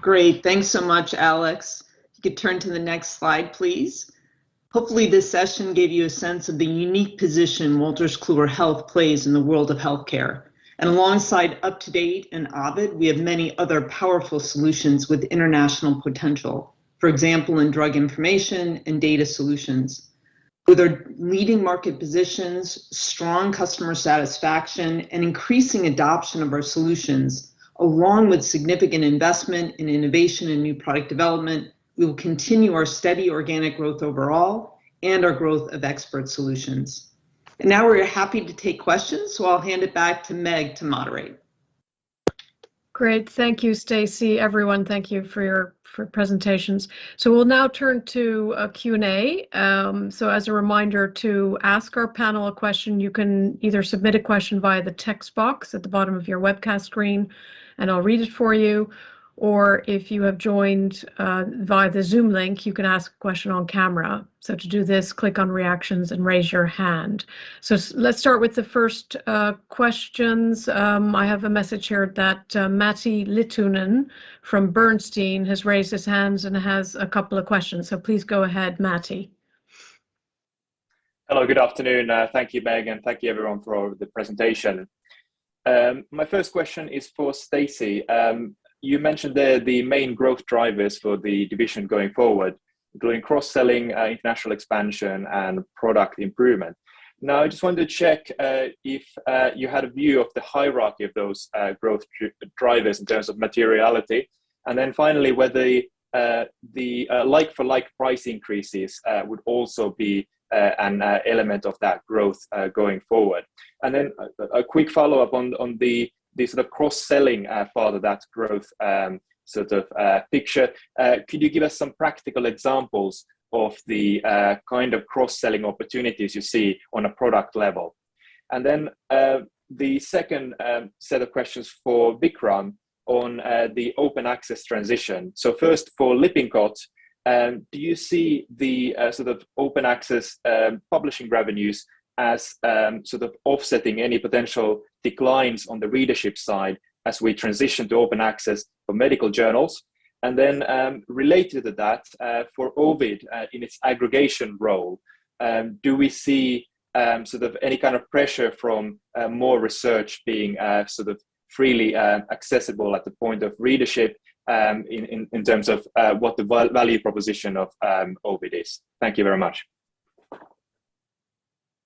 Great. Thanks so much, Alex. If you could turn to the next slide, please. Hopefully, this session gave you a sense of the unique position Wolters Kluwer Health plays in the world of healthcare. Alongside UpToDate and Ovid, we have many other powerful solutions with international potential. For example, in drug information and data solutions. With our leading market positions, strong customer satisfaction, and increasing adoption of our solutions, along with significant investment in innovation and new product development, we will continue our steady organic growth overall and our growth of expert solutions. Now we're happy to take questions, so I'll hand it back to Meg to moderate. Great. Thank you, Stacey. Everyone, thank you for your presentations. We'll now turn to a Q&A. As a reminder to ask our panel a question, you can either submit a question via the text box at the bottom of your webcast screen, and I'll read it for you. Or if you have joined via the Zoom link, you can ask a question on camera. To do this, click on Reactions and raise your hand. Let's start with the first questions. I have a message here that Matti Littunen from Bernstein has raised his hands and has a couple of questions. Please go ahead, Matti. Hello, good afternoon. Thank you, Meg, and thank you everyone for the presentation. My first question is for Stacey. You mentioned the main growth drivers for the division going forward, doing cross-selling, international expansion and product improvement. Now, I just wanted to check if you had a view of the hierarchy of those growth drivers in terms of materiality. And then finally, whether the like-for-like price increases would also be an element of that growth going forward. And then a quick follow-up on the sort of cross-selling part of that growth picture. Could you give us some practical examples of the kind of cross-selling opportunities you see on a product level? The second set of questions for Vikram on the open access transition. First for Lippincott, do you see the sort of open access publishing revenues as sort of offsetting any potential declines on the readership side as we transition to open access for medical journals? Related to that, for Ovid in its aggregation role, do we see sort of any kind of pressure from more research being sort of freely accessible at the point of readership, in terms of what the value proposition of Ovid is? Thank you very much.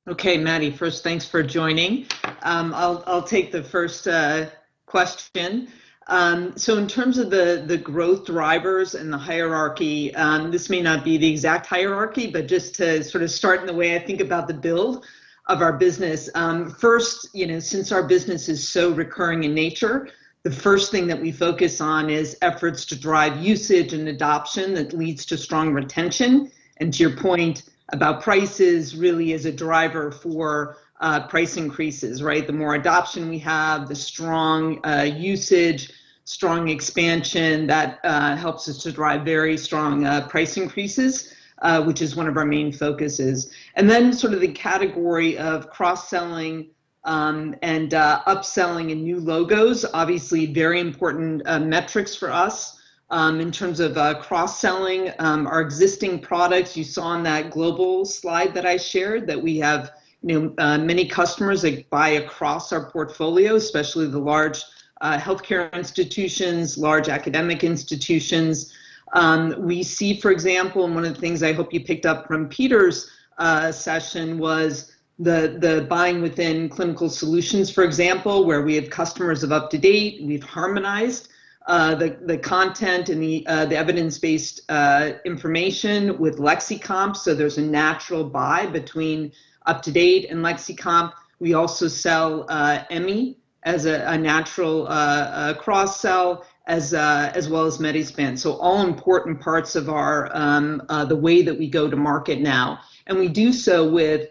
Okay, Matti, first, thanks for joining. I'll take the first question. In terms of the growth drivers and the hierarchy, this may not be the exact hierarchy, but just to sort of start in the way I think about the build of our business. First, you know, since our business is so recurring in nature, the first thing that we focus on is efforts to drive usage and adoption that leads to strong retention. To your point about pricing really is a driver for price increases, right? The more adoption we have, the stronger usage, stronger expansion that helps us to drive very strong price increases, which is one of our main focuses. Then sort of the category of cross-selling, and upselling and new logos, obviously very important metrics for us. In terms of cross-selling our existing products, you saw on that global slide that I shared that we have numerous customers that buy across our portfolio, especially the large healthcare institutions, large academic institutions. We see, for example, one of the things I hope you picked up from Peter's session was the buying within Clinical Solutions, for example, where we have customers of UpToDate. We've harmonized the content and the evidence-based information with Lexicomp. There's a natural buy between UpToDate and Lexicomp. We also sell Emmi as a natural cross-sell as well as Medi-Span. All important parts of the way that we go to market now. We do so with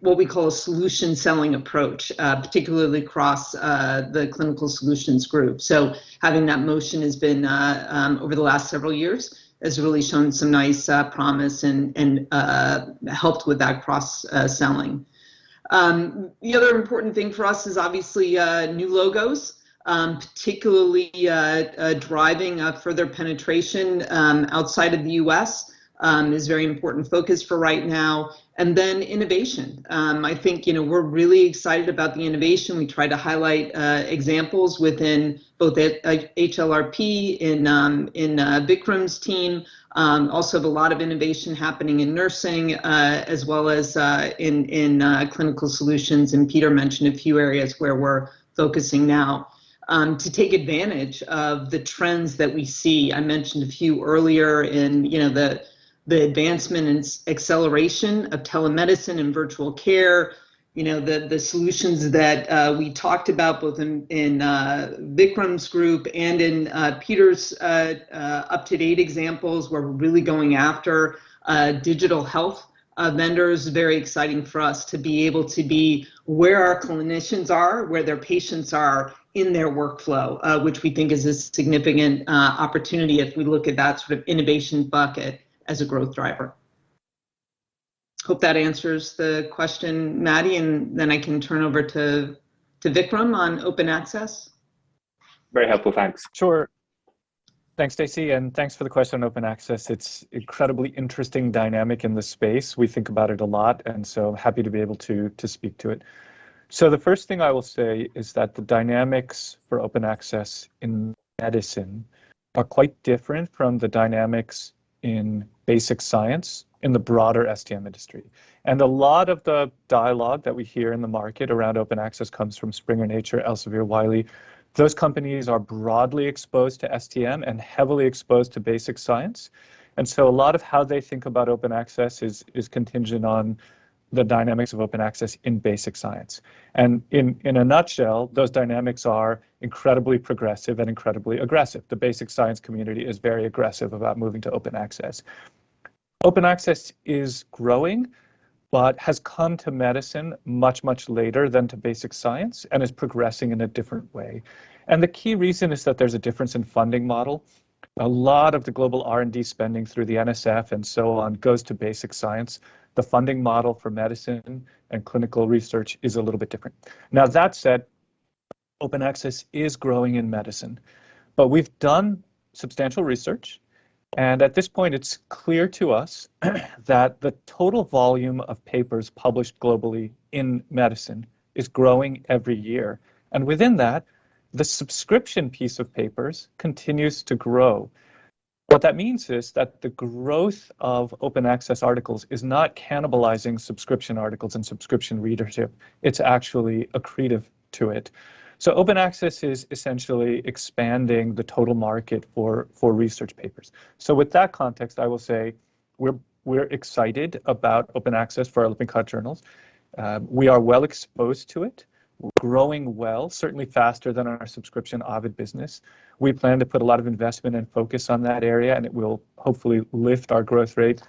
what we call a solution selling approach, particularly across the Clinical Solutions group. Having that motion has been over the last several years really shown some nice promise and helped with that cross selling. The other important thing for us is obviously new logos, particularly driving further penetration outside of the U.S. is very important focus for right now. Then innovation. I think, you know, we're really excited about the innovation. We try to highlight examples within both at HLRP in Vikram's team. Also have a lot of innovation happening in nursing as well as in clinical solutions. Peter mentioned a few areas where we're focusing now to take advantage of the trends that we see. I mentioned a few earlier in, you know, the advancement and acceleration of telemedicine and virtual care. You know, the solutions that we talked about both in Vikram's group and in Peter's UpToDate examples, where we're really going after digital health vendors. Very exciting for us to be able to be where our clinicians are, where their patients are in their workflow, which we think is a significant opportunity if we look at that sort of innovation bucket as a growth driver. Hope that answers the question, Matti, and then I can turn over to Vikram on open access. Very helpful. Thanks. Sure. Thanks Stacey, and thanks for the question on open access. It's incredibly interesting dynamic in the space. We think about it a lot, and so happy to be able to speak to it. The first thing I will say is that the dynamics for open access in medicine are quite different from the dynamics in basic science in the broader STM industry. A lot of the dialogue that we hear in the market around open access comes from Springer Nature, Elsevier, Wiley. Those companies are broadly exposed to STM and heavily exposed to basic science. A lot of how they think about open access is contingent on the dynamics of open access in basic science. In a nutshell, those dynamics are incredibly progressive and incredibly aggressive. The basic science community is very aggressive about moving to open access. Open access is growing, but has come to medicine much, much later than to basic science and is progressing in a different way. The key reason is that there's a difference in funding model. A lot of the global R&D spending through the NSF and so on, goes to basic science. The funding model for medicine and clinical research is a little bit different. Now, that said, open access is growing in medicine. We've done substantial research, and at this point, it's clear to us that the total volume of papers published globally in medicine is growing every year. Within that, the subscription piece of papers continues to grow. What that means is that the growth of open access articles is not cannibalizing subscription articles and subscription readership. It's actually accretive to it. Open access is essentially expanding the total market for research papers. With that context, I will say we're excited about open access for our open access journals. We are well exposed to it, growing well, certainly faster than our subscription Ovid business. We plan to put a lot of investment and focus on that area, and it will hopefully lift our growth rate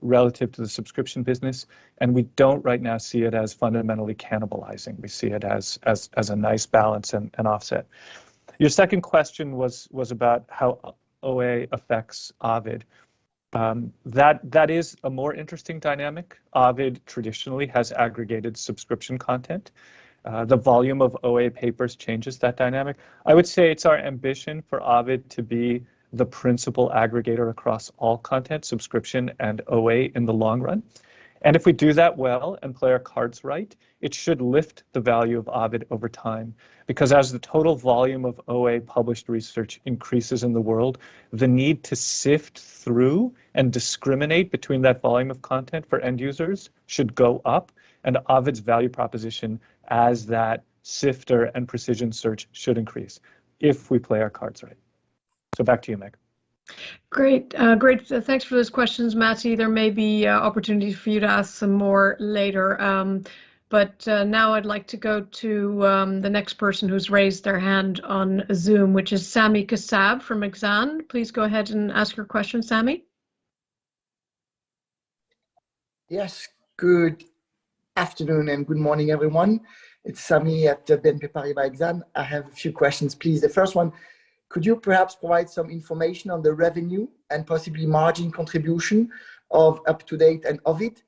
relative to the subscription business. We don't right now see it as fundamentally cannibalizing. We see it as a nice balance and offset. Your second question was about how OA affects Ovid. That is a more interesting dynamic. Ovid traditionally has aggregated subscription content. The volume of OA papers changes that dynamic. I would say it's our ambition for Ovid to be the principal aggregator across all content, subscription and OA in the long run. If we do that well and play our cards right, it should lift the value of Ovid over time. Because as the total volume of OA published research increases in the world, the need to sift through and discriminate between that volume of content for end users should go up and Ovid's value proposition as that sifter and precision search should increase if we play our cards right. Back to you, Meg. Great. Thanks for those questions, Matti. There may be opportunity for you to ask some more later. Now I'd like to go to the next person who's raised their hand on Zoom, which is Sami Kassab from Exane. Please go ahead and ask your question, Sami. Yes. Good afternoon and good morning, everyone. It's Sami Kassab at BNP Paribas Exane. I have a few questions, please. The first one, could you perhaps provide some information on the revenue and possibly margin contribution of UpToDate and Ovid?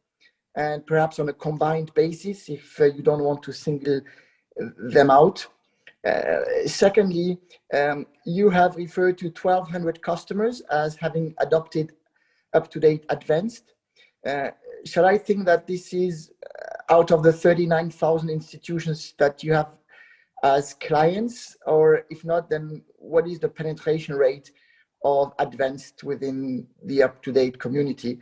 And perhaps on a combined basis if you don't want to single them out. Secondly, you have referred to 1,200 customers as having adopted UpToDate Advanced. Shall I think that this is out of the 39,000 institutions that you have as clients, or if not, then what is the penetration rate of Advanced within the UpToDate community?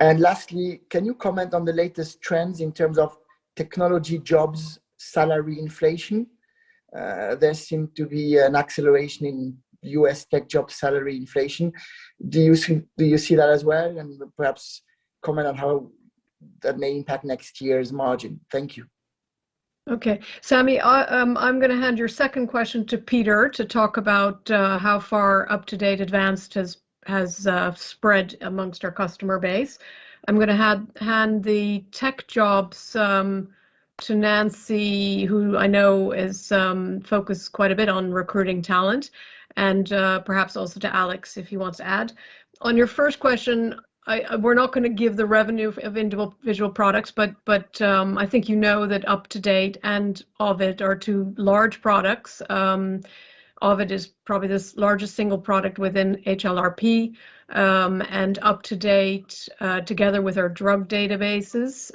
And lastly, can you comment on the latest trends in terms of technology, jobs, salary inflation? There seem to be an acceleration in U.S. tech job salary inflation. Do you see that as well? And perhaps comment on how that may impact next year's margin. Thank you. Okay. Sami, I'm going to hand your second question to Peter to talk about how far UpToDate Advanced has spread among our customer base. I'm going to hand the tech jobs to Nancy, who I know is focused quite a bit on recruiting talent, and perhaps also to Alex, if he wants to add. On your first question, we're not going to give the revenue of individual products, but I think you know that UpToDate and Ovid are two large products. Ovid is probably the largest single product within HLRP. UpToDate together with our drug databases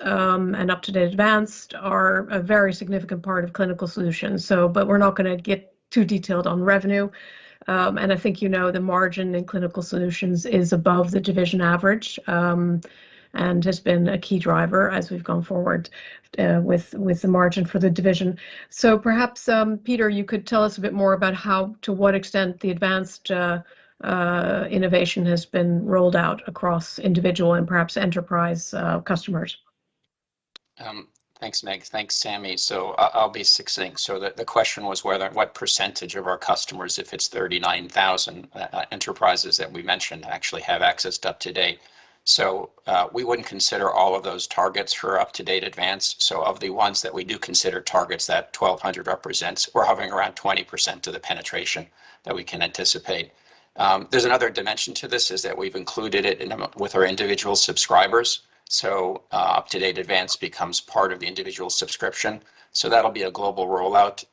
and UpToDate Advanced are a very significant part of Clinical Solutions. But we're not going to get too detailed on revenue. I think you know the margin in Clinical Solutions is above the division average, and has been a key driver as we've gone forward with the margin for the division. Perhaps Peter Bonis, you could tell us a bit more about how, to what extent UpToDate Advanced has been rolled out across individual and perhaps enterprise customers. Thanks, Meg. Thanks, Sami. I'll be succinct. The question was whether what percentage of our customers, if it's 39,000 enterprises that we mentioned, actually have accessed UpToDate. We wouldn't consider all of those targets for UpToDate Advanced. Of the ones that we do consider targets, that 1,200 represents, we're hovering around 20% of the penetration that we can anticipate. There's another dimension to this, is that we've included it in with our individual subscribers. UpToDate Advanced becomes part of the individual subscription. That'll be a global rollout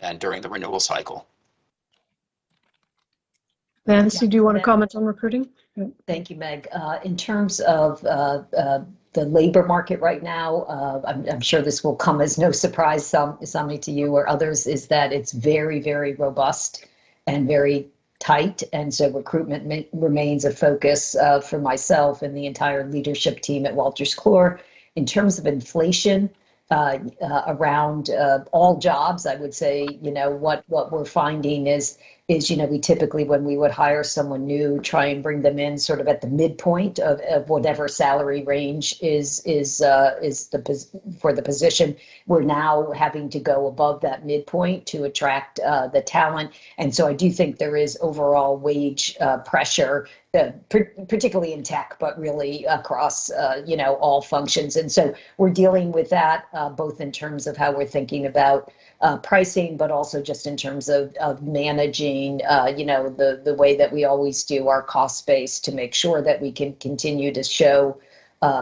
and during the renewal cycle. Nancy, do you want to comment on recruiting? Thank you, Meg. In terms of the labor market right now, I'm sure this will come as no surprise to you or others that it's very, very robust and very tight. Recruitment remains a focus for myself and the entire leadership team at Wolters Kluwer. In terms of inflation around all jobs, I would say, you know, what we're finding is you know, we typically when we would hire someone new, try and bring them in sort of at the midpoint of whatever salary range is the position. We're now having to go above that midpoint to attract the talent. I do think there is overall wage pressure particularly in tech, but really across you know, all functions. We're dealing with that, both in terms of how we're thinking about pricing, but also just in terms of managing, you know, the way that we always do our cost base to make sure that we can continue to show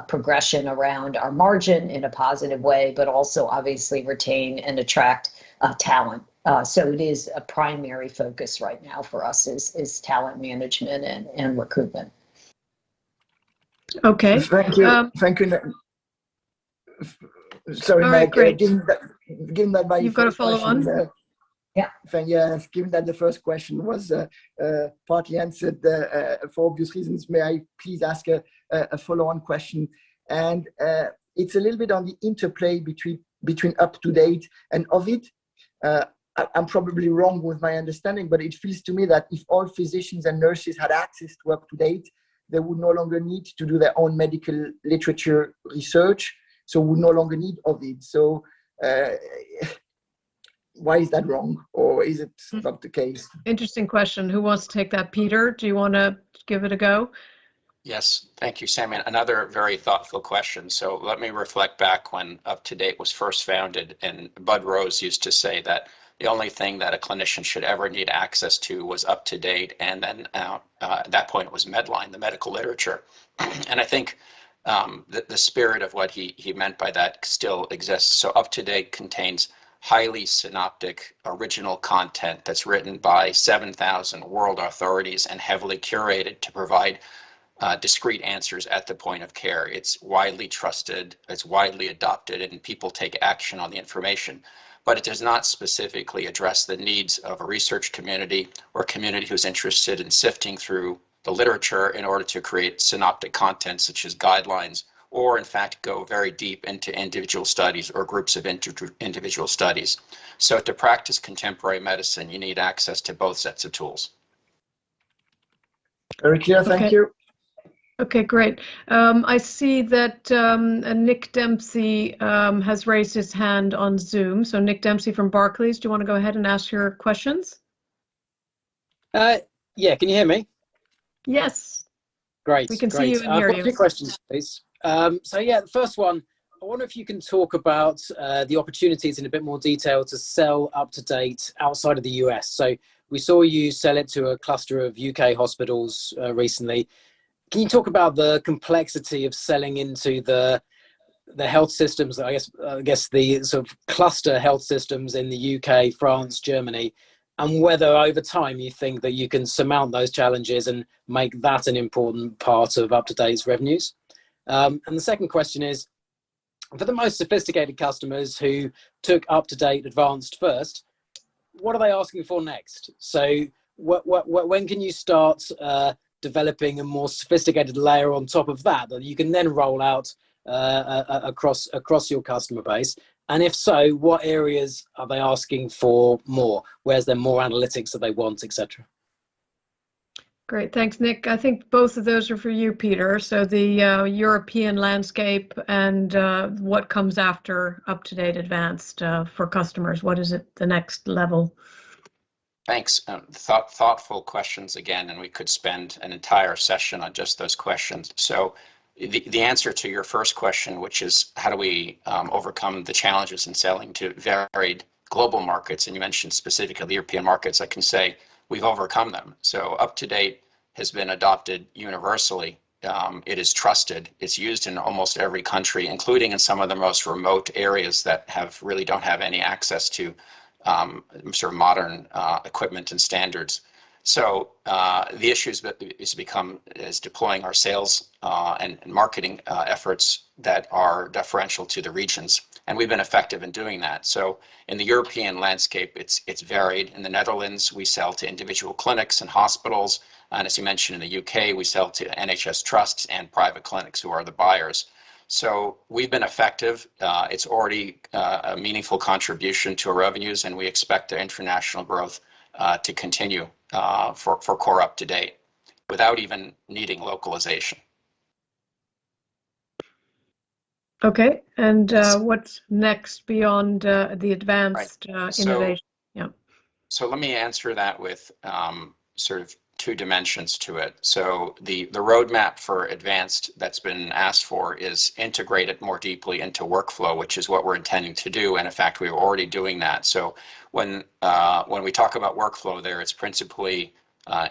progression around our margin in a positive way, but also obviously retain and attract talent. It is a primary focus right now for us is talent management and recruitment. Okay. Thank you. Sorry, Meg. Oh, great. Given that. You've got a follow-on? Yeah. Yeah. Given that the first question was partly answered there, for obvious reasons, may I please ask a follow-on question? It's a little bit on the interplay between UpToDate and Ovid. I'm probably wrong with my understanding, but it feels to me that if all physicians and nurses had access to UpToDate, they would no longer need to do their own medical literature research, so would no longer need Ovid. Why is that wrong, or is it not the case? Interesting question. Who wants to take that? Peter, do you want to give it a go? Yes. Thank you, Sam. Another very thoughtful question. Let me reflect back when UpToDate was first founded, and Bud Rose used to say that the only thing that a clinician should ever need access to was UpToDate, and then at that point, it was MEDLINE, the medical literature. I think the spirit of what he meant by that still exists. UpToDate contains highly synoptic original content that's written by 7,000 world authorities and heavily curated to provide discrete answers at the point of care. It's widely trusted, it's widely adopted, and people take action on the information. It does not specifically address the needs of a research community or community who's interested in sifting through the literature in order to create synoptic content such as guidelines, or in fact go very deep into individual studies or groups of individual studies. To practice contemporary medicine, you need access to both sets of tools. Very clear. Thank you. Okay, great. I see that Nick Dempsey has raised his hand on Zoom. Nick Dempsey from Barclays, do you want to go ahead and ask your questions? Yeah. Can you hear me? Yes. Great. Great. We can see you and hear you. I've got a few questions, please. The first one, I wonder if you can talk about the opportunities in a bit more detail to sell UpToDate outside of the U.S. We saw you sell it to a cluster of U.K. hospitals recently. Can you talk about the complexity of selling into the health systems, I guess, the sort of cluster health systems in the U.K., France, Germany, and whether over time you think that you can surmount those challenges and make that an important part of UpToDate's revenues? The second question is, for the most sophisticated customers who took UpToDate Advanced first, what are they asking for next? When can you start developing a more sophisticated layer on top of that you can then roll out across your customer base? If so, what areas are they asking for more? Where's there more analytics that they want, et cetera? Great. Thanks, Nick. I think both of those are for you, Peter. The European landscape and what comes after UpToDate Advanced for customers. What is it, the next level? Thanks. Thoughtful questions again, and we could spend an entire session on just those questions. The answer to your first question, which is how do we overcome the challenges in selling to varied global markets, and you mentioned specifically the European markets, I can say we've overcome them. UpToDate has been adopted universally. It is trusted. It's used in almost every country, including in some of the most remote areas that really don't have any access to sort of modern equipment and standards. The issues that has become is deploying our sales and marketing efforts that are differentiated to the regions, and we've been effective in doing that. In the European landscape, it's varied. In the Netherlands, we sell to individual clinics and hospitals. As you mentioned, in the U.K., we sell to NHS trusts and private clinics who are the buyers. We've been effective. It's already a meaningful contribution to our revenues, and we expect the international growth to continue for core UpToDate without even needing localization. Okay. What's next beyond the advanced Right innovation? Yeah. Let me answer that with, sort of two dimensions to it. The roadmap for Advanced that's been asked for is integrated more deeply into workflow, which is what we're intending to do, and in fact, we are already doing that. When we talk about workflow there, it's principally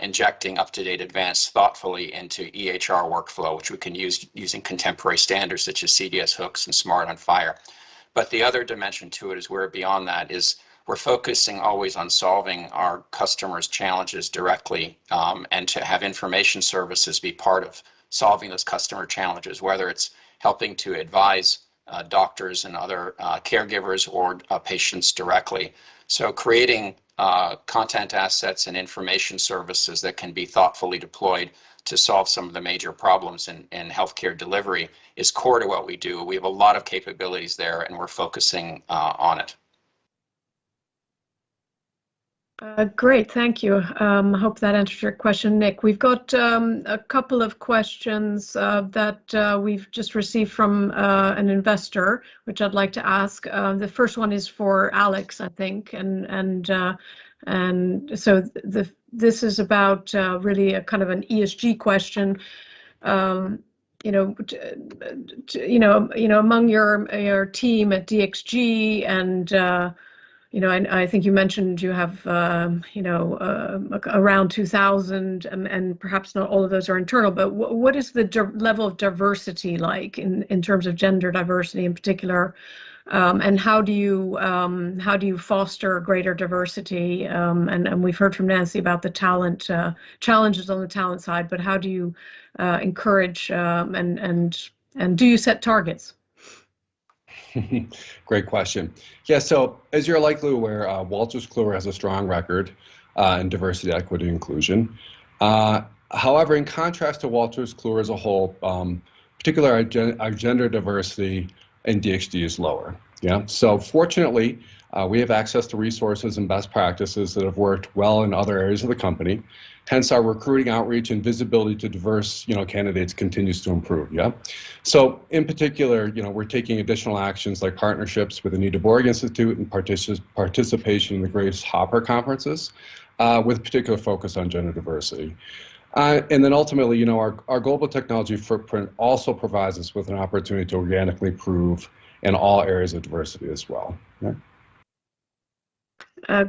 injecting UpToDate Advanced thoughtfully into EHR workflow, which we can use using contemporary standards such as CDS Hooks and SMART on FHIR. The other dimension to it is we're beyond that, we're focusing always on solving our customers' challenges directly, and to have information services be part of solving those customer challenges, whether it's helping to advise doctors and other caregivers or patients directly. Creating content assets and information services that can be thoughtfully deployed to solve some of the major problems in healthcare delivery is core to what we do. We have a lot of capabilities there, and we're focusing on it. Great. Thank you. I hope that answered your question, Nick. We've got a couple of questions that we've just received from an investor, which I'd like to ask. The first one is for Alex, I think, and so this is about really a kind of an ESG question. You know, among your team at DXG and, you know, and I think you mentioned you have, you know, around 2,000 and perhaps not all of those are internal. What is the level of diversity like in terms of gender diversity in particular, and how do you foster greater diversity? We've heard from Nancy about the talent challenges on the talent side, but how do you encourage and do you set targets? Great question. As you're likely aware, Wolters Kluwer has a strong record in diversity, equity, and inclusion. However, in contrast to Wolters Kluwer as a whole, particularly our gender diversity in DXG is lower. Fortunately, we have access to resources and best practices that have worked well in other areas of the company, hence our recruiting outreach and visibility to diverse, you know, candidates continues to improve. In particular, you know, we're taking additional actions like partnerships with Anita Borg Institute and participation in the Grace Hopper conferences, with particular focus on gender diversity. Then ultimately, you know, our global technology footprint also provides us with an opportunity to organically improve in all areas of diversity as well.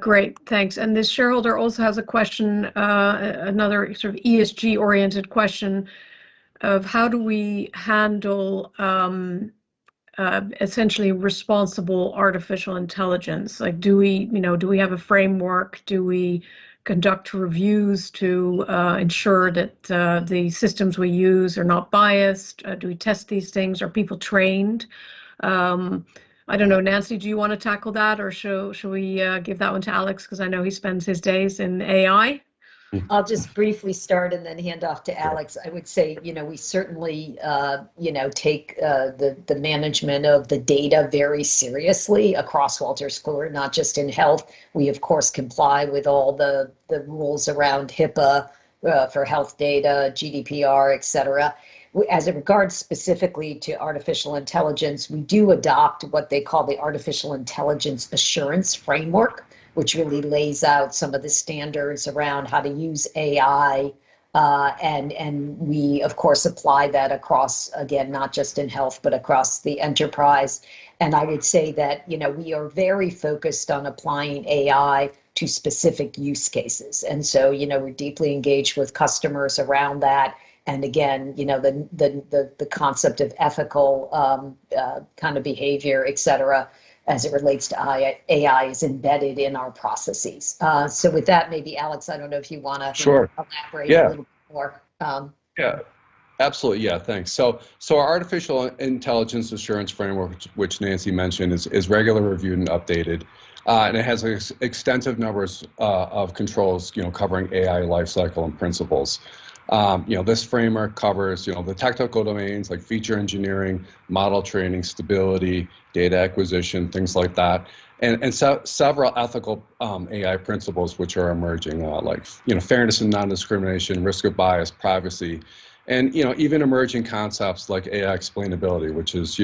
Great. Thanks. The shareholder also has a question, another sort of ESG-oriented question of how do we handle essentially responsible artificial intelligence? Like, do we, you know, do we have a framework? Do we conduct reviews to ensure that the systems we use are not biased? Do we test these things? Are people trained? I don't know. Nancy, do you want to tackle that? Or should we give that one to Alex because I know he spends his days in AI? Mm-hmm. I'll just briefly start and then hand off to Alex. I would say, you know, we certainly take the management of the data very seriously across Wolters Kluwer, not just in health. We of course comply with all the rules around HIPAA for health data, GDPR, et cetera. As in regards specifically to artificial intelligence, we do adopt what they call the artificial intelligence assurance framework, which really lays out some of the standards around how to use AI. We of course apply that across, again, not just in health, but across the enterprise. I would say that, you know, we are very focused on applying AI to specific use cases, and so, you know, we're deeply engaged with customers around that. Again, you know, the concept of ethical kind of behavior, et cetera, as it relates to AI is embedded in our processes. With that, maybe Alex, I don't know if you want to? Sure Elaborate a little more. Yeah. Um... Yeah. Absolutely, yeah. Thanks. Our artificial intelligence assurance framework, which Nancy mentioned, is regularly reviewed and updated. It has extensive numbers of controls, you know, covering AI life cycle and principles. You know, this framework covers the technical domains like feature engineering, model training, stability, data acquisition, things like that, and several ethical AI principles which are emerging, like fairness and non-discrimination, risk of bias, privacy, and even emerging concepts like AI explainability, which is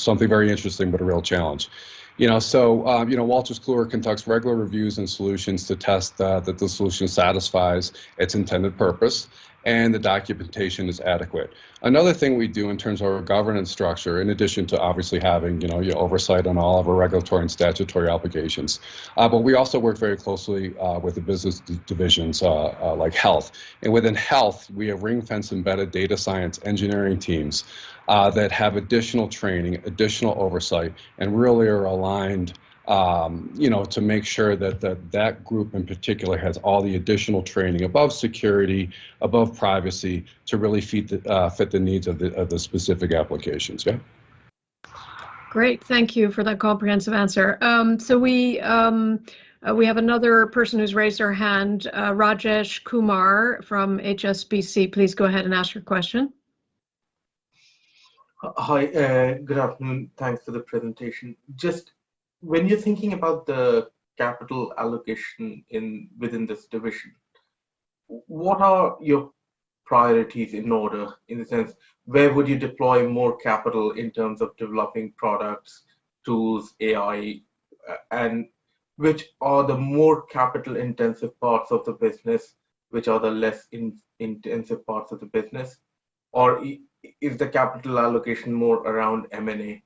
something very interesting but a real challenge. You know, Wolters Kluwer conducts regular reviews and solutions to test that the solution satisfies its intended purpose and the documentation is adequate. Another thing we do in terms of our governance structure, in addition to obviously having, you know, your oversight on all of our regulatory and statutory obligations, but we also work very closely with the business divisions like Health. Within Health, we have ring-fence embedded data science engineering teams that have additional training, additional oversight, and really are aligned, you know, to make sure that group in particular has all the additional training above security, above privacy to really fit the needs of the specific applications. Yeah. Great. Thank you for that comprehensive answer. We have another person who's raised their hand, Rajesh Kumar from HSBC. Please go ahead and ask your question. Hi, good afternoon. Thanks for the presentation. Just when you're thinking about the capital allocation within this division What are your priorities in order, in the sense where would you deploy more capital in terms of developing products, tools, AI? Which are the more capital intensive parts of the business, which are the less intensive parts of the business? Or is the capital allocation more around M&A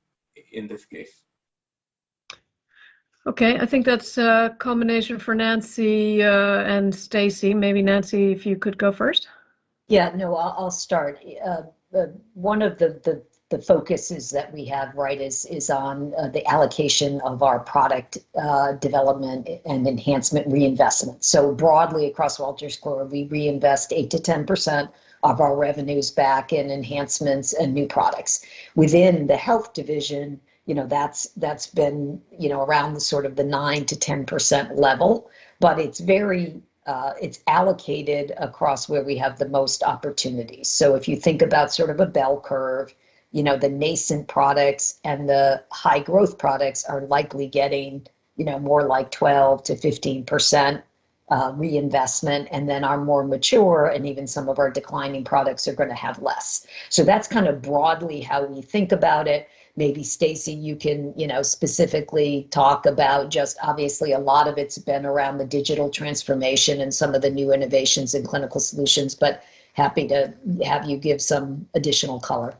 in this case? Okay. I think that's a combination for Nancy and Stacey. Maybe Nancy, if you could go first. I'll start. One of the focuses that we have, right, is on the allocation of our product development and enhancement reinvestment. Broadly across Wolters Kluwer, we reinvest 8%-10% of our revenues back in enhancements and new products. Within the Health Division, you know, that's been, you know, around the sort of 9%-10% level. It's allocated across where we have the most opportunities. If you think about sort of a bell curve, you know, the nascent products and the high growth products are likely getting, you know, more like 12%-15% reinvestment and then the more mature, and even some of our declining products are going to have less. That's kind of broadly how we think about it. Maybe Stacey, you can, you know, specifically talk about just obviously a lot of it's been around the digital transformation and some of the new innovations in Clinical Solutions, but happy to have you give some additional color.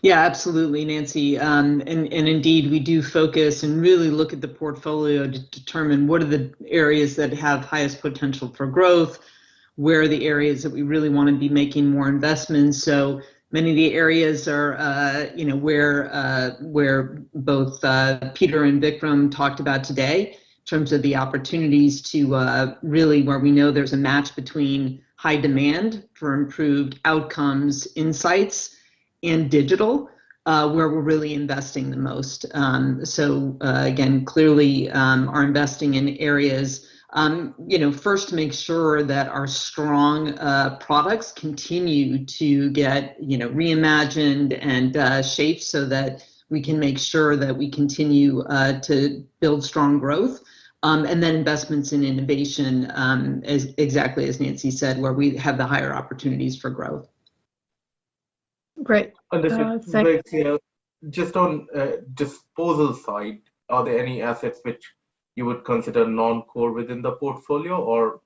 Yeah, absolutely, Nancy. Indeed we do focus and really look at the portfolio to determine what are the areas that have highest potential for growth, where are the areas that we really want to be making more investments. Many of the areas are where both Peter and Vikram talked about today in terms of the opportunities to really where we know there's a match between high demand for improved outcomes, insights, and digital where we're really investing the most. Again, clearly, are investing in areas first to make sure that our strong products continue to get reimagined and shaped so that we can make sure that we continue to build strong growth. Investments in innovation, exactly as Nancy said, where we have the higher opportunities for growth. Great. Stacey. Just quickly, just on disposal side, are there any assets which you would consider non-core within the portfolio or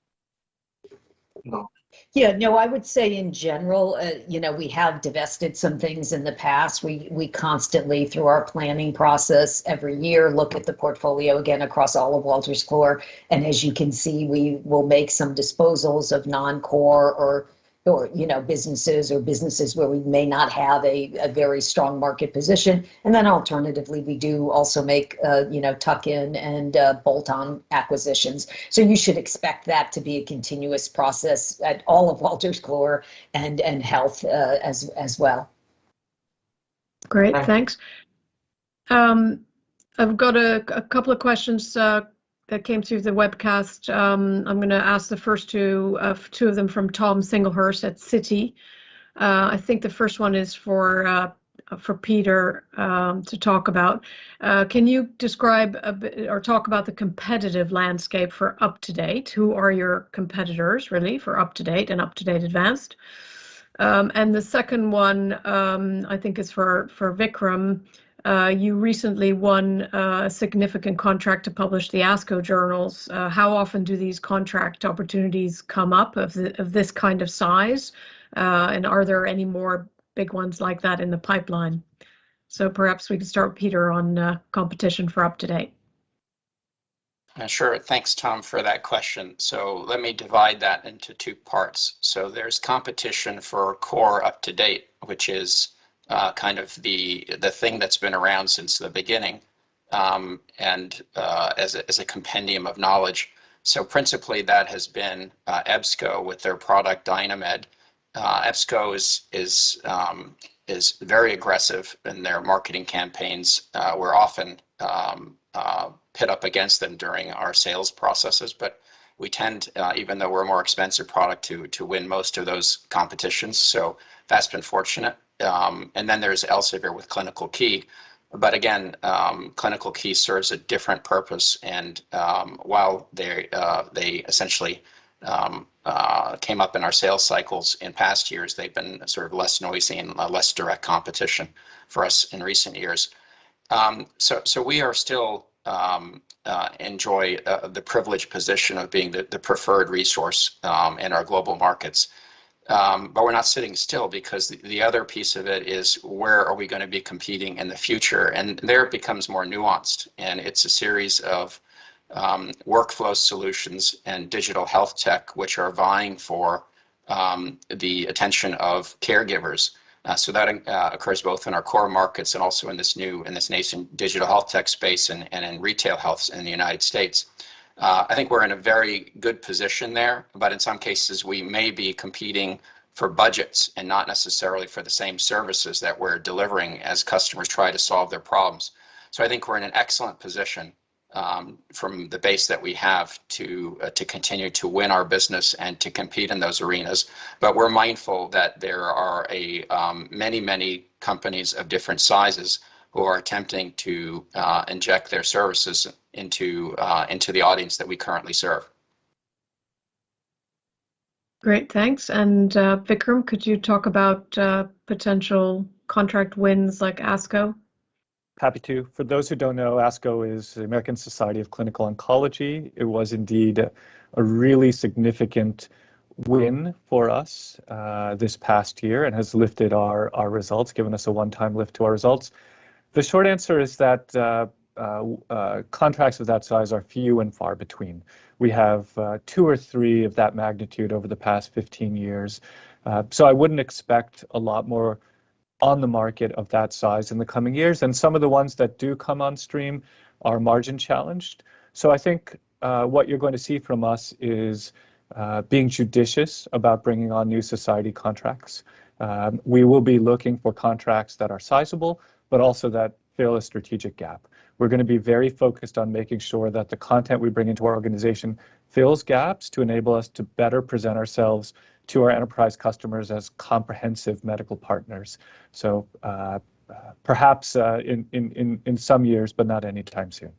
no? Yeah. No, I would say in general, you know, we have divested some things in the past. We constantly through our planning process every year look at the portfolio again across all of Wolters Kluwer, and as you can see, we will make some disposals of non-core or, you know, businesses where we may not have a very strong market position. Then alternatively, we do also make, you know, tuck-in and bolt-on acquisitions. You should expect that to be a continuous process at all of Wolters Kluwer and Health, as well. Great. Thanks. I've got a couple of questions that came through the webcast. I'm going to ask the first two of them from Tom Singlehurst at Citi. I think the first one is for Peter to talk about. Can you describe a bit or talk about the competitive landscape for UpToDate? Who are your competitors really for UpToDate and UpToDate Advanced? And the second one I think is for Vikram. You recently won a significant contract to publish the ASCO journals. How often do these contract opportunities come up of this kind of size? And are there any more big ones like that in the pipeline? Perhaps we could start Peter on competition for UpToDate. Sure. Thanks, Tom, for that question. Let me divide that into two parts. There's competition for core UpToDate, which is kind of the thing that's been around since the beginning, and as a compendium of knowledge. Principally that has been EBSCO with their product DynaMed. EBSCO is very aggressive in their marketing campaigns. We're often pitted against them during our sales processes, but we tend, even though we're a more expensive product, to win most of those competitions. That's been fortunate. And then there's Elsevier with ClinicalKey. Again, ClinicalKey serves a different purpose and while they essentially came up in our sales cycles in past years, they've been sort of less noisy and less direct competition for us in recent years. We are still enjoying the privileged position of being the preferred resource in our global markets. We're not sitting still because the other piece of it is where are we going to be competing in the future. There it becomes more nuanced, and it's a series of workflow solutions and digital health tech, which are vying for the attention of caregivers. That occurs both in our core markets and also in this nascent digital health tech space and in retail health in the United States. I think we're in a very good position there, but in some cases we may be competing for budgets and not necessarily for the same services that we're delivering as customers try to solve their problems. I think we're in an excellent position from the base that we have to continue to win our business and to compete in those arenas. We're mindful that there are many, many companies of different sizes who are attempting to inject their services into the audience that we currently serve. Great, thanks. Vikram, could you talk about potential contract wins like ASCO? Happy to. For those who don't know, ASCO is the American Society of Clinical Oncology. It was indeed a really significant win for us this past year and has lifted our results, given us a one-time lift to our results. The short answer is that contracts of that size are few and far between. We have two or three of that magnitude over the past 15 years. I wouldn't expect a lot more on the market of that size in the coming years. Some of the ones that do come on stream are margin-challenged. I think what you're going to see from us is being judicious about bringing on new society contracts. We will be looking for contracts that are sizable but also that fill a strategic gap. We're going to be very focused on making sure that the content we bring into our organization fills gaps to enable us to better present ourselves to our enterprise customers as comprehensive medical partners. Perhaps in some years, but not anytime soon.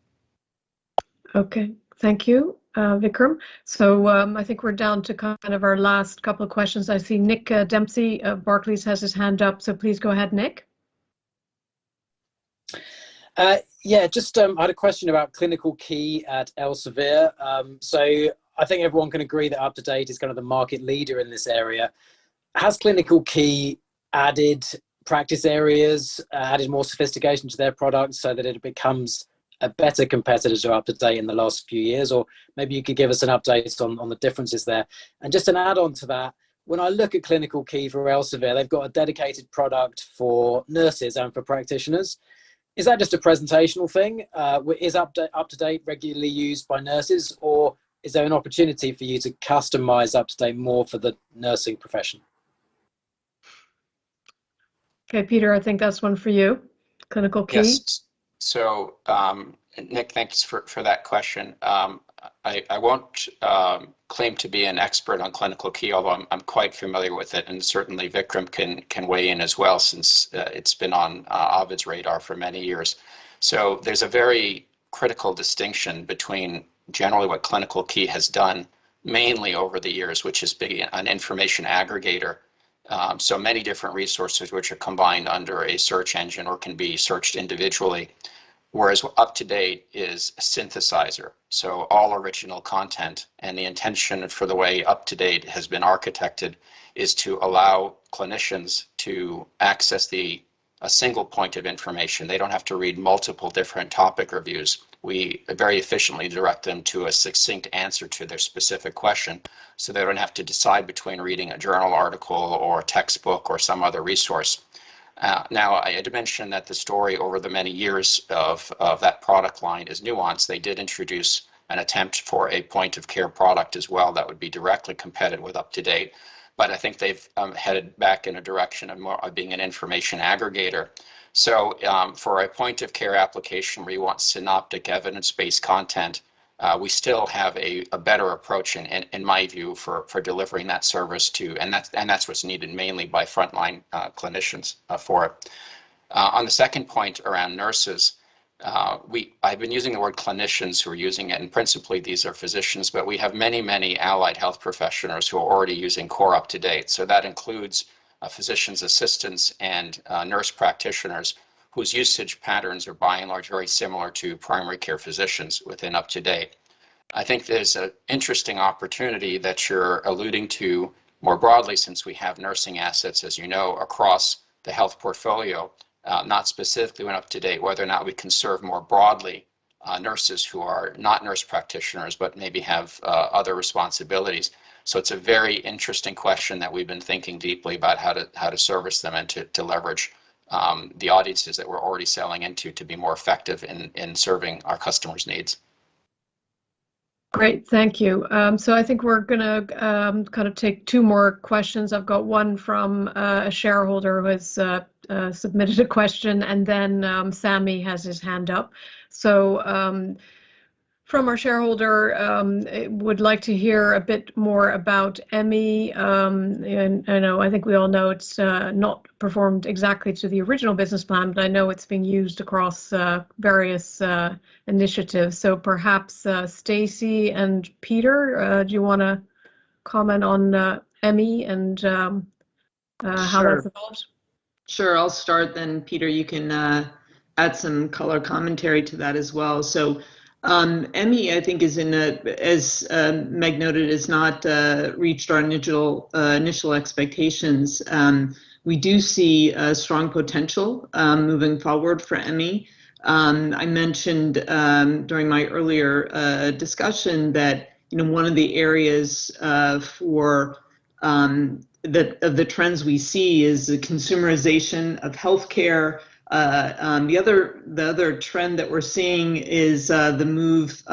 Okay. Thank you, Vikram. I think we're down to kind of our last couple of questions. I see Nick Dempsey of Barclays has his hand up, so please go ahead, Nick. Yeah, just, I had a question about ClinicalKey at Elsevier. I think everyone can agree that UpToDate is kind of the market leader in this area. Has ClinicalKey added practice areas, added more sophistication to their product so that it becomes a better competitor to UpToDate in the last few years? Or maybe you could give us an update just on the differences there. Just an add-on to that, when I look at ClinicalKey for Elsevier, they've got a dedicated product for nurses and for practitioners. Is that just a presentational thing? Is UpToDate regularly used by nurses, or is there an opportunity for you to customize UpToDate more for the nursing profession? Okay, Peter, I think that's one for you, ClinicalKey. Yes. Nick, thanks for that question. I won't claim to be an expert on ClinicalKey, although I'm quite familiar with it, and certainly Vikram can weigh in as well since it's been on Ovid's radar for many years. There's a very critical distinction between generally what ClinicalKey has done mainly over the years, which is be an information aggregator, many different resources which are combined under a search engine or can be searched individually, whereas UpToDate is a synthesizer, all original content. The intention for the way UpToDate has been architected is to allow clinicians to access a single point of information. They don't have to read multiple different topic reviews. We very efficiently direct them to a succinct answer to their specific question, so they don't have to decide between reading a journal article or a textbook or some other resource. Now I had to mention that the story over the many years of that product line is nuanced. They did introduce an attempt for a point-of-care product as well that would be directly competitive with UpToDate, but I think they've headed back in a direction of more of being an information aggregator. For a point-of-care application where you want synoptic evidence-based content, we still have a better approach in my view for delivering that service too, and that's what's needed mainly by frontline clinicians for it. On the second point around nurses, we...I've been using the word clinicians who are using it, and principally these are physicians, but we have many, many allied health professionals who are already using core UpToDate. That includes physician assistants and nurse practitioners whose usage patterns are by and large very similar to primary care physicians within UpToDate. I think there's an interesting opportunity that you're alluding to more broadly since we have nursing assets, as you know, across the health portfolio, not specifically in UpToDate, whether or not we can serve more broadly nurses who are not nurse practitioners, but maybe have other responsibilities. It's a very interesting question that we've been thinking deeply about how to service them and to leverage the audiences that we're already selling into to be more effective in serving our customers' needs. Great. Thank you. I think we're going to kind of take two more questions. I've got one from a shareholder who has submitted a question, and then Sami has his hand up. Our shareholder would like to hear a bit more about Emmi. I know, I think we all know it's not performed exactly to the original business plan, but I know it's being used across various initiatives. Perhaps Stacey and Peter, do you want to comment on Emmi and how it's evolved? Sure. I'll start then, Peter. You can add some color commentary to that as well. Emmi, I think, is in a, as Meg noted, has not reached our initial expectations. We do see a strong potential moving forward for Emmi. I mentioned during my earlier discussion that, you know, one of the areas for the trends we see is the consumerization of healthcare. The other trend that we're seeing is the move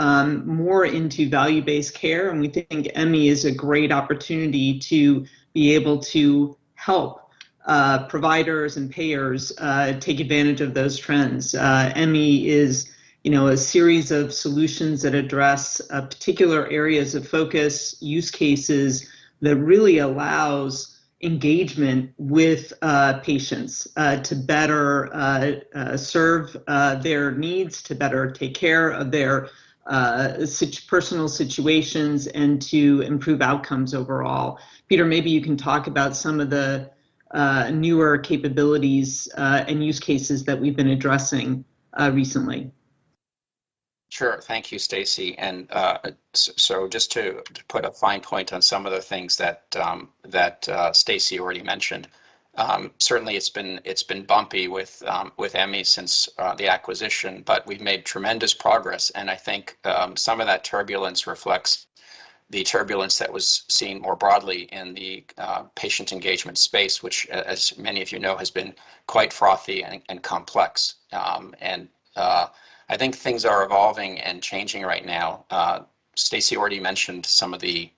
more into value-based care, and we think Emmi is a great opportunity to be able to help providers and payers take advantage of those trends. Emmi is, you know, a series of solutions that address particular areas of focus, use cases that really allows engagement with patients to better serve their needs, to better take care of their personal situations, and to improve outcomes overall. Peter, maybe you can talk about some of the Newer capabilities and use cases that we've been addressing recently. Sure. Thank you, Stacey. So just to put a fine point on some of the things that Stacey already mentioned, certainly it's been bumpy with Emmi since the acquisition, but we've made tremendous progress. I think some of that turbulence reflects the turbulence that was seen more broadly in the patient engagement space, which as many of you know, has been quite frothy and complex. I think things are evolving and changing right now. Stacey already mentioned some of the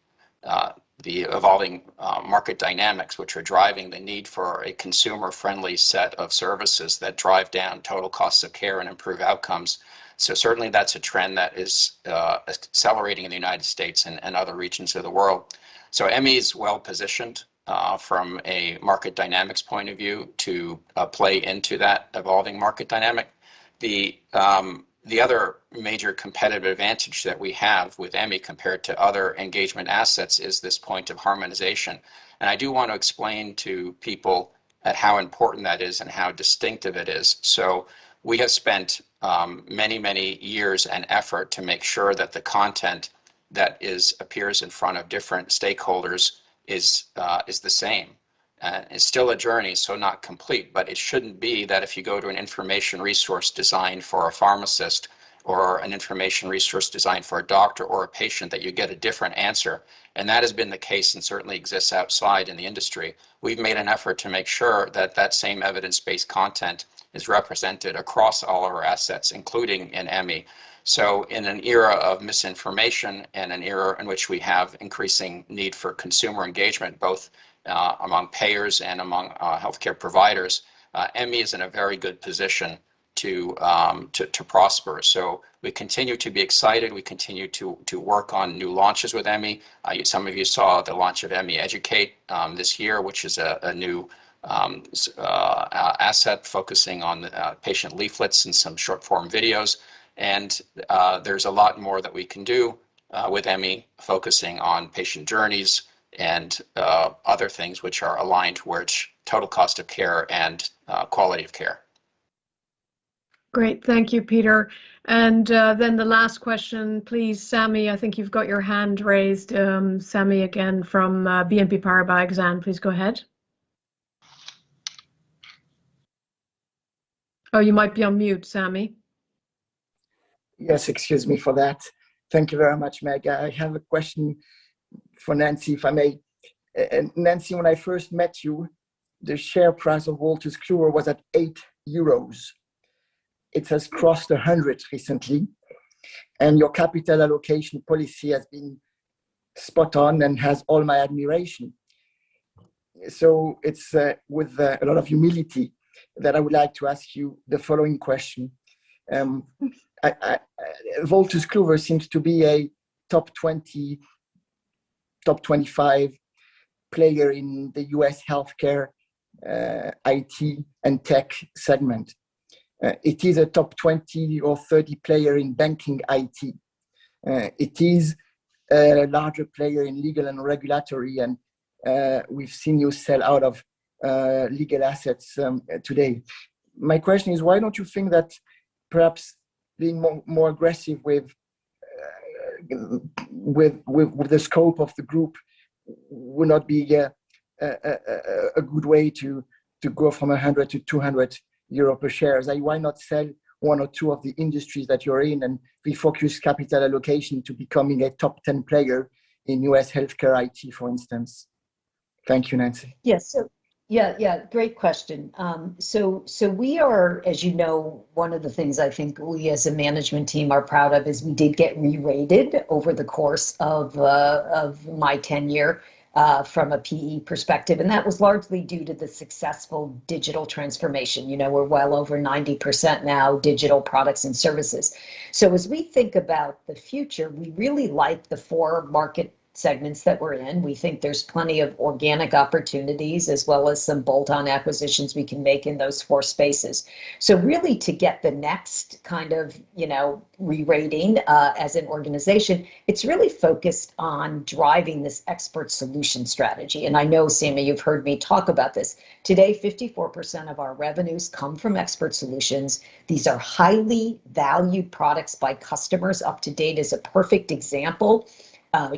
evolving market dynamics, which are driving the need for a consumer-friendly set of services that drive down total costs of care and improve outcomes. Certainly that's a trend that is accelerating in the United States and other regions of the world. Emmi is well-positioned from a market dynamics point of view to play into that evolving market dynamic. The other major competitive advantage that we have with Emmi compared to other engagement assets is this point of harmonization. I do want to explain to people at how important that is and how distinctive it is. We have spent many, many years and effort to make sure that the content that appears in front of different stakeholders is the same. It's still a journey, so not complete, but it shouldn't be that if you go to an information resource designed for a pharmacist or an information resource designed for a doctor or a patient, that you get a different answer. That has been the case and certainly exists outside in the industry. We've made an effort to make sure that that same evidence-based content is represented across all of our assets, including in Emmi. In an era of misinformation and an era in which we have increasing need for consumer engagement, both among payers and among healthcare providers, Emmi is in a very good position to prosper. We continue to be excited. We continue to work on new launches with Emmi. Some of you saw the launch of EmmiEducate this year, which is a new asset focusing on patient leaflets and some short-form videos. There's a lot more that we can do with Emmi focusing on patient journeys and other things which are aligned towards total cost of care and quality of care. Great. Thank you, Peter. Then the last question, please, Sami, I think you've got your hand raised. Sami, again from BNP Paribas Exane, please go ahead. Oh, you might be on mute, Sami. Yes. Excuse me for that. Thank you very much, Meg. I have a question for Nancy, if I may. And Nancy, when I first met you, the share price of Wolters Kluwer was at 8 euros. It has crossed 100 recently, and your capital allocation policy has been spot on and has all my admiration. It's with a lot of humility that I would like to ask you the following question. Wolters Kluwer seems to be a top 20, top 25 player in the U.S. healthcare IT and tech segment. It is a top 20 or 30 player in banking IT. It is a larger player in legal and regulatory, and we've seen you sell out of legal assets today. My question is, why don't you think that perhaps being more aggressive with the scope of the group would not be a good way to go from 100-200 euro per share? Why not sell one or two of the industries that you're in and refocus capital allocation to becoming a top 10 player in U.S. healthcare IT, for instance? Thank you, Nancy. Yes. Yeah, great question. We are, as you know, one of the things I think we as a management team are proud of is we did get rerated over the course of my tenure from a PE perspective, and that was largely due to the successful digital transformation. You know, we're well over 90% now digital products and services. As we think about the future, we really like the four market segments that we're in. We think there's plenty of organic opportunities as well as some bolt-on acquisitions we can make in those four spaces. Really to get the next kind of rerating as an organization, it's really focused on driving this expert solution strategy. I know, Sami, you've heard me talk about this. Today, 54% of our revenues come from expert solutions. These are highly valued products by customers. UpToDate is a perfect example.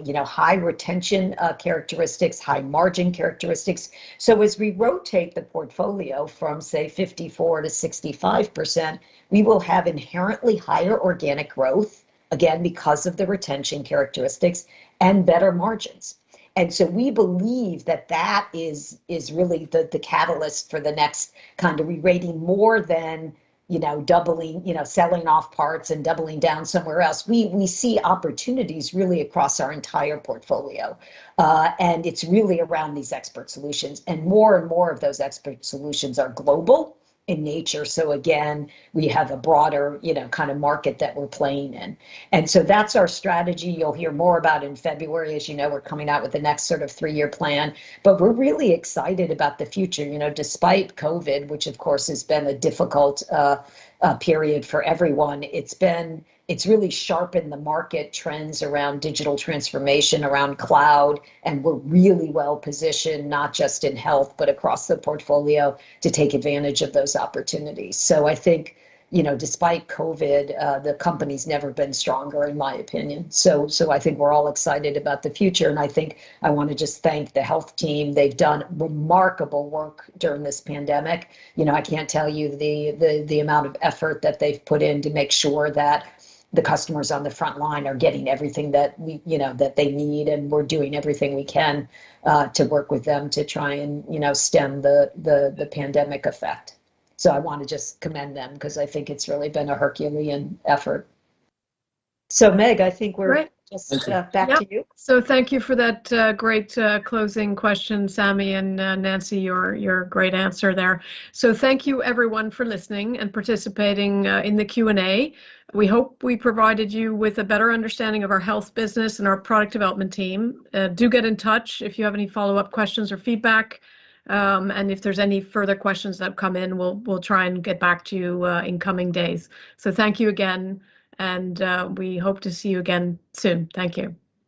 You know, high retention characteristics, high margin characteristics. As we rotate the portfolio from, say, 54%-65%, we will have inherently higher organic growth, again, because of the retention characteristics and better margins. We believe that is really the catalyst for the next kind of rerating more than, you know, doubling, you know, selling off parts and doubling down somewhere else. We see opportunities really across our entire portfolio, and it's really around these expert solutions. More and more of those expert solutions are global in nature. Again, we have a broader, you know, kind of market that we're playing in. That's our strategy. You'll hear more about in February. As you know, we're coming out with the next sort of three-year plan. We're really excited about the future. You know, despite COVID, which of course has been a difficult period for everyone, it's really sharpened the market trends around digital transformation, around cloud, and we're really well positioned, not just in health, but across the portfolio to take advantage of those opportunities. I think, you know, despite COVID, the company's never been stronger, in my opinion. I think we're all excited about the future, and I think I want to just thank the health team. They've done remarkable work during this pandemic. You know, I can't tell you the amount of effort that they've put in to make sure that the customers on the front line are getting everything that we—you know, that they need, and we're doing everything we can to work with them to try and, you know, stem the pandemic effect. I want to just commend them because I think it's really been a Herculean effort. Meg, I think we're- Right. Thank you. Just, back to you. Yes. Thank you for that, great closing question, Sami, and, Nancy, your great answer there. Thank you everyone for listening and participating in the Q&A. We hope we provided you with a better understanding of our health business and our product development team. Do get in touch if you have any follow-up questions or feedback. If there's any further questions that come in, we'll try and get back to you in coming days. Thank you again, and we hope to see you again soon. Thank you.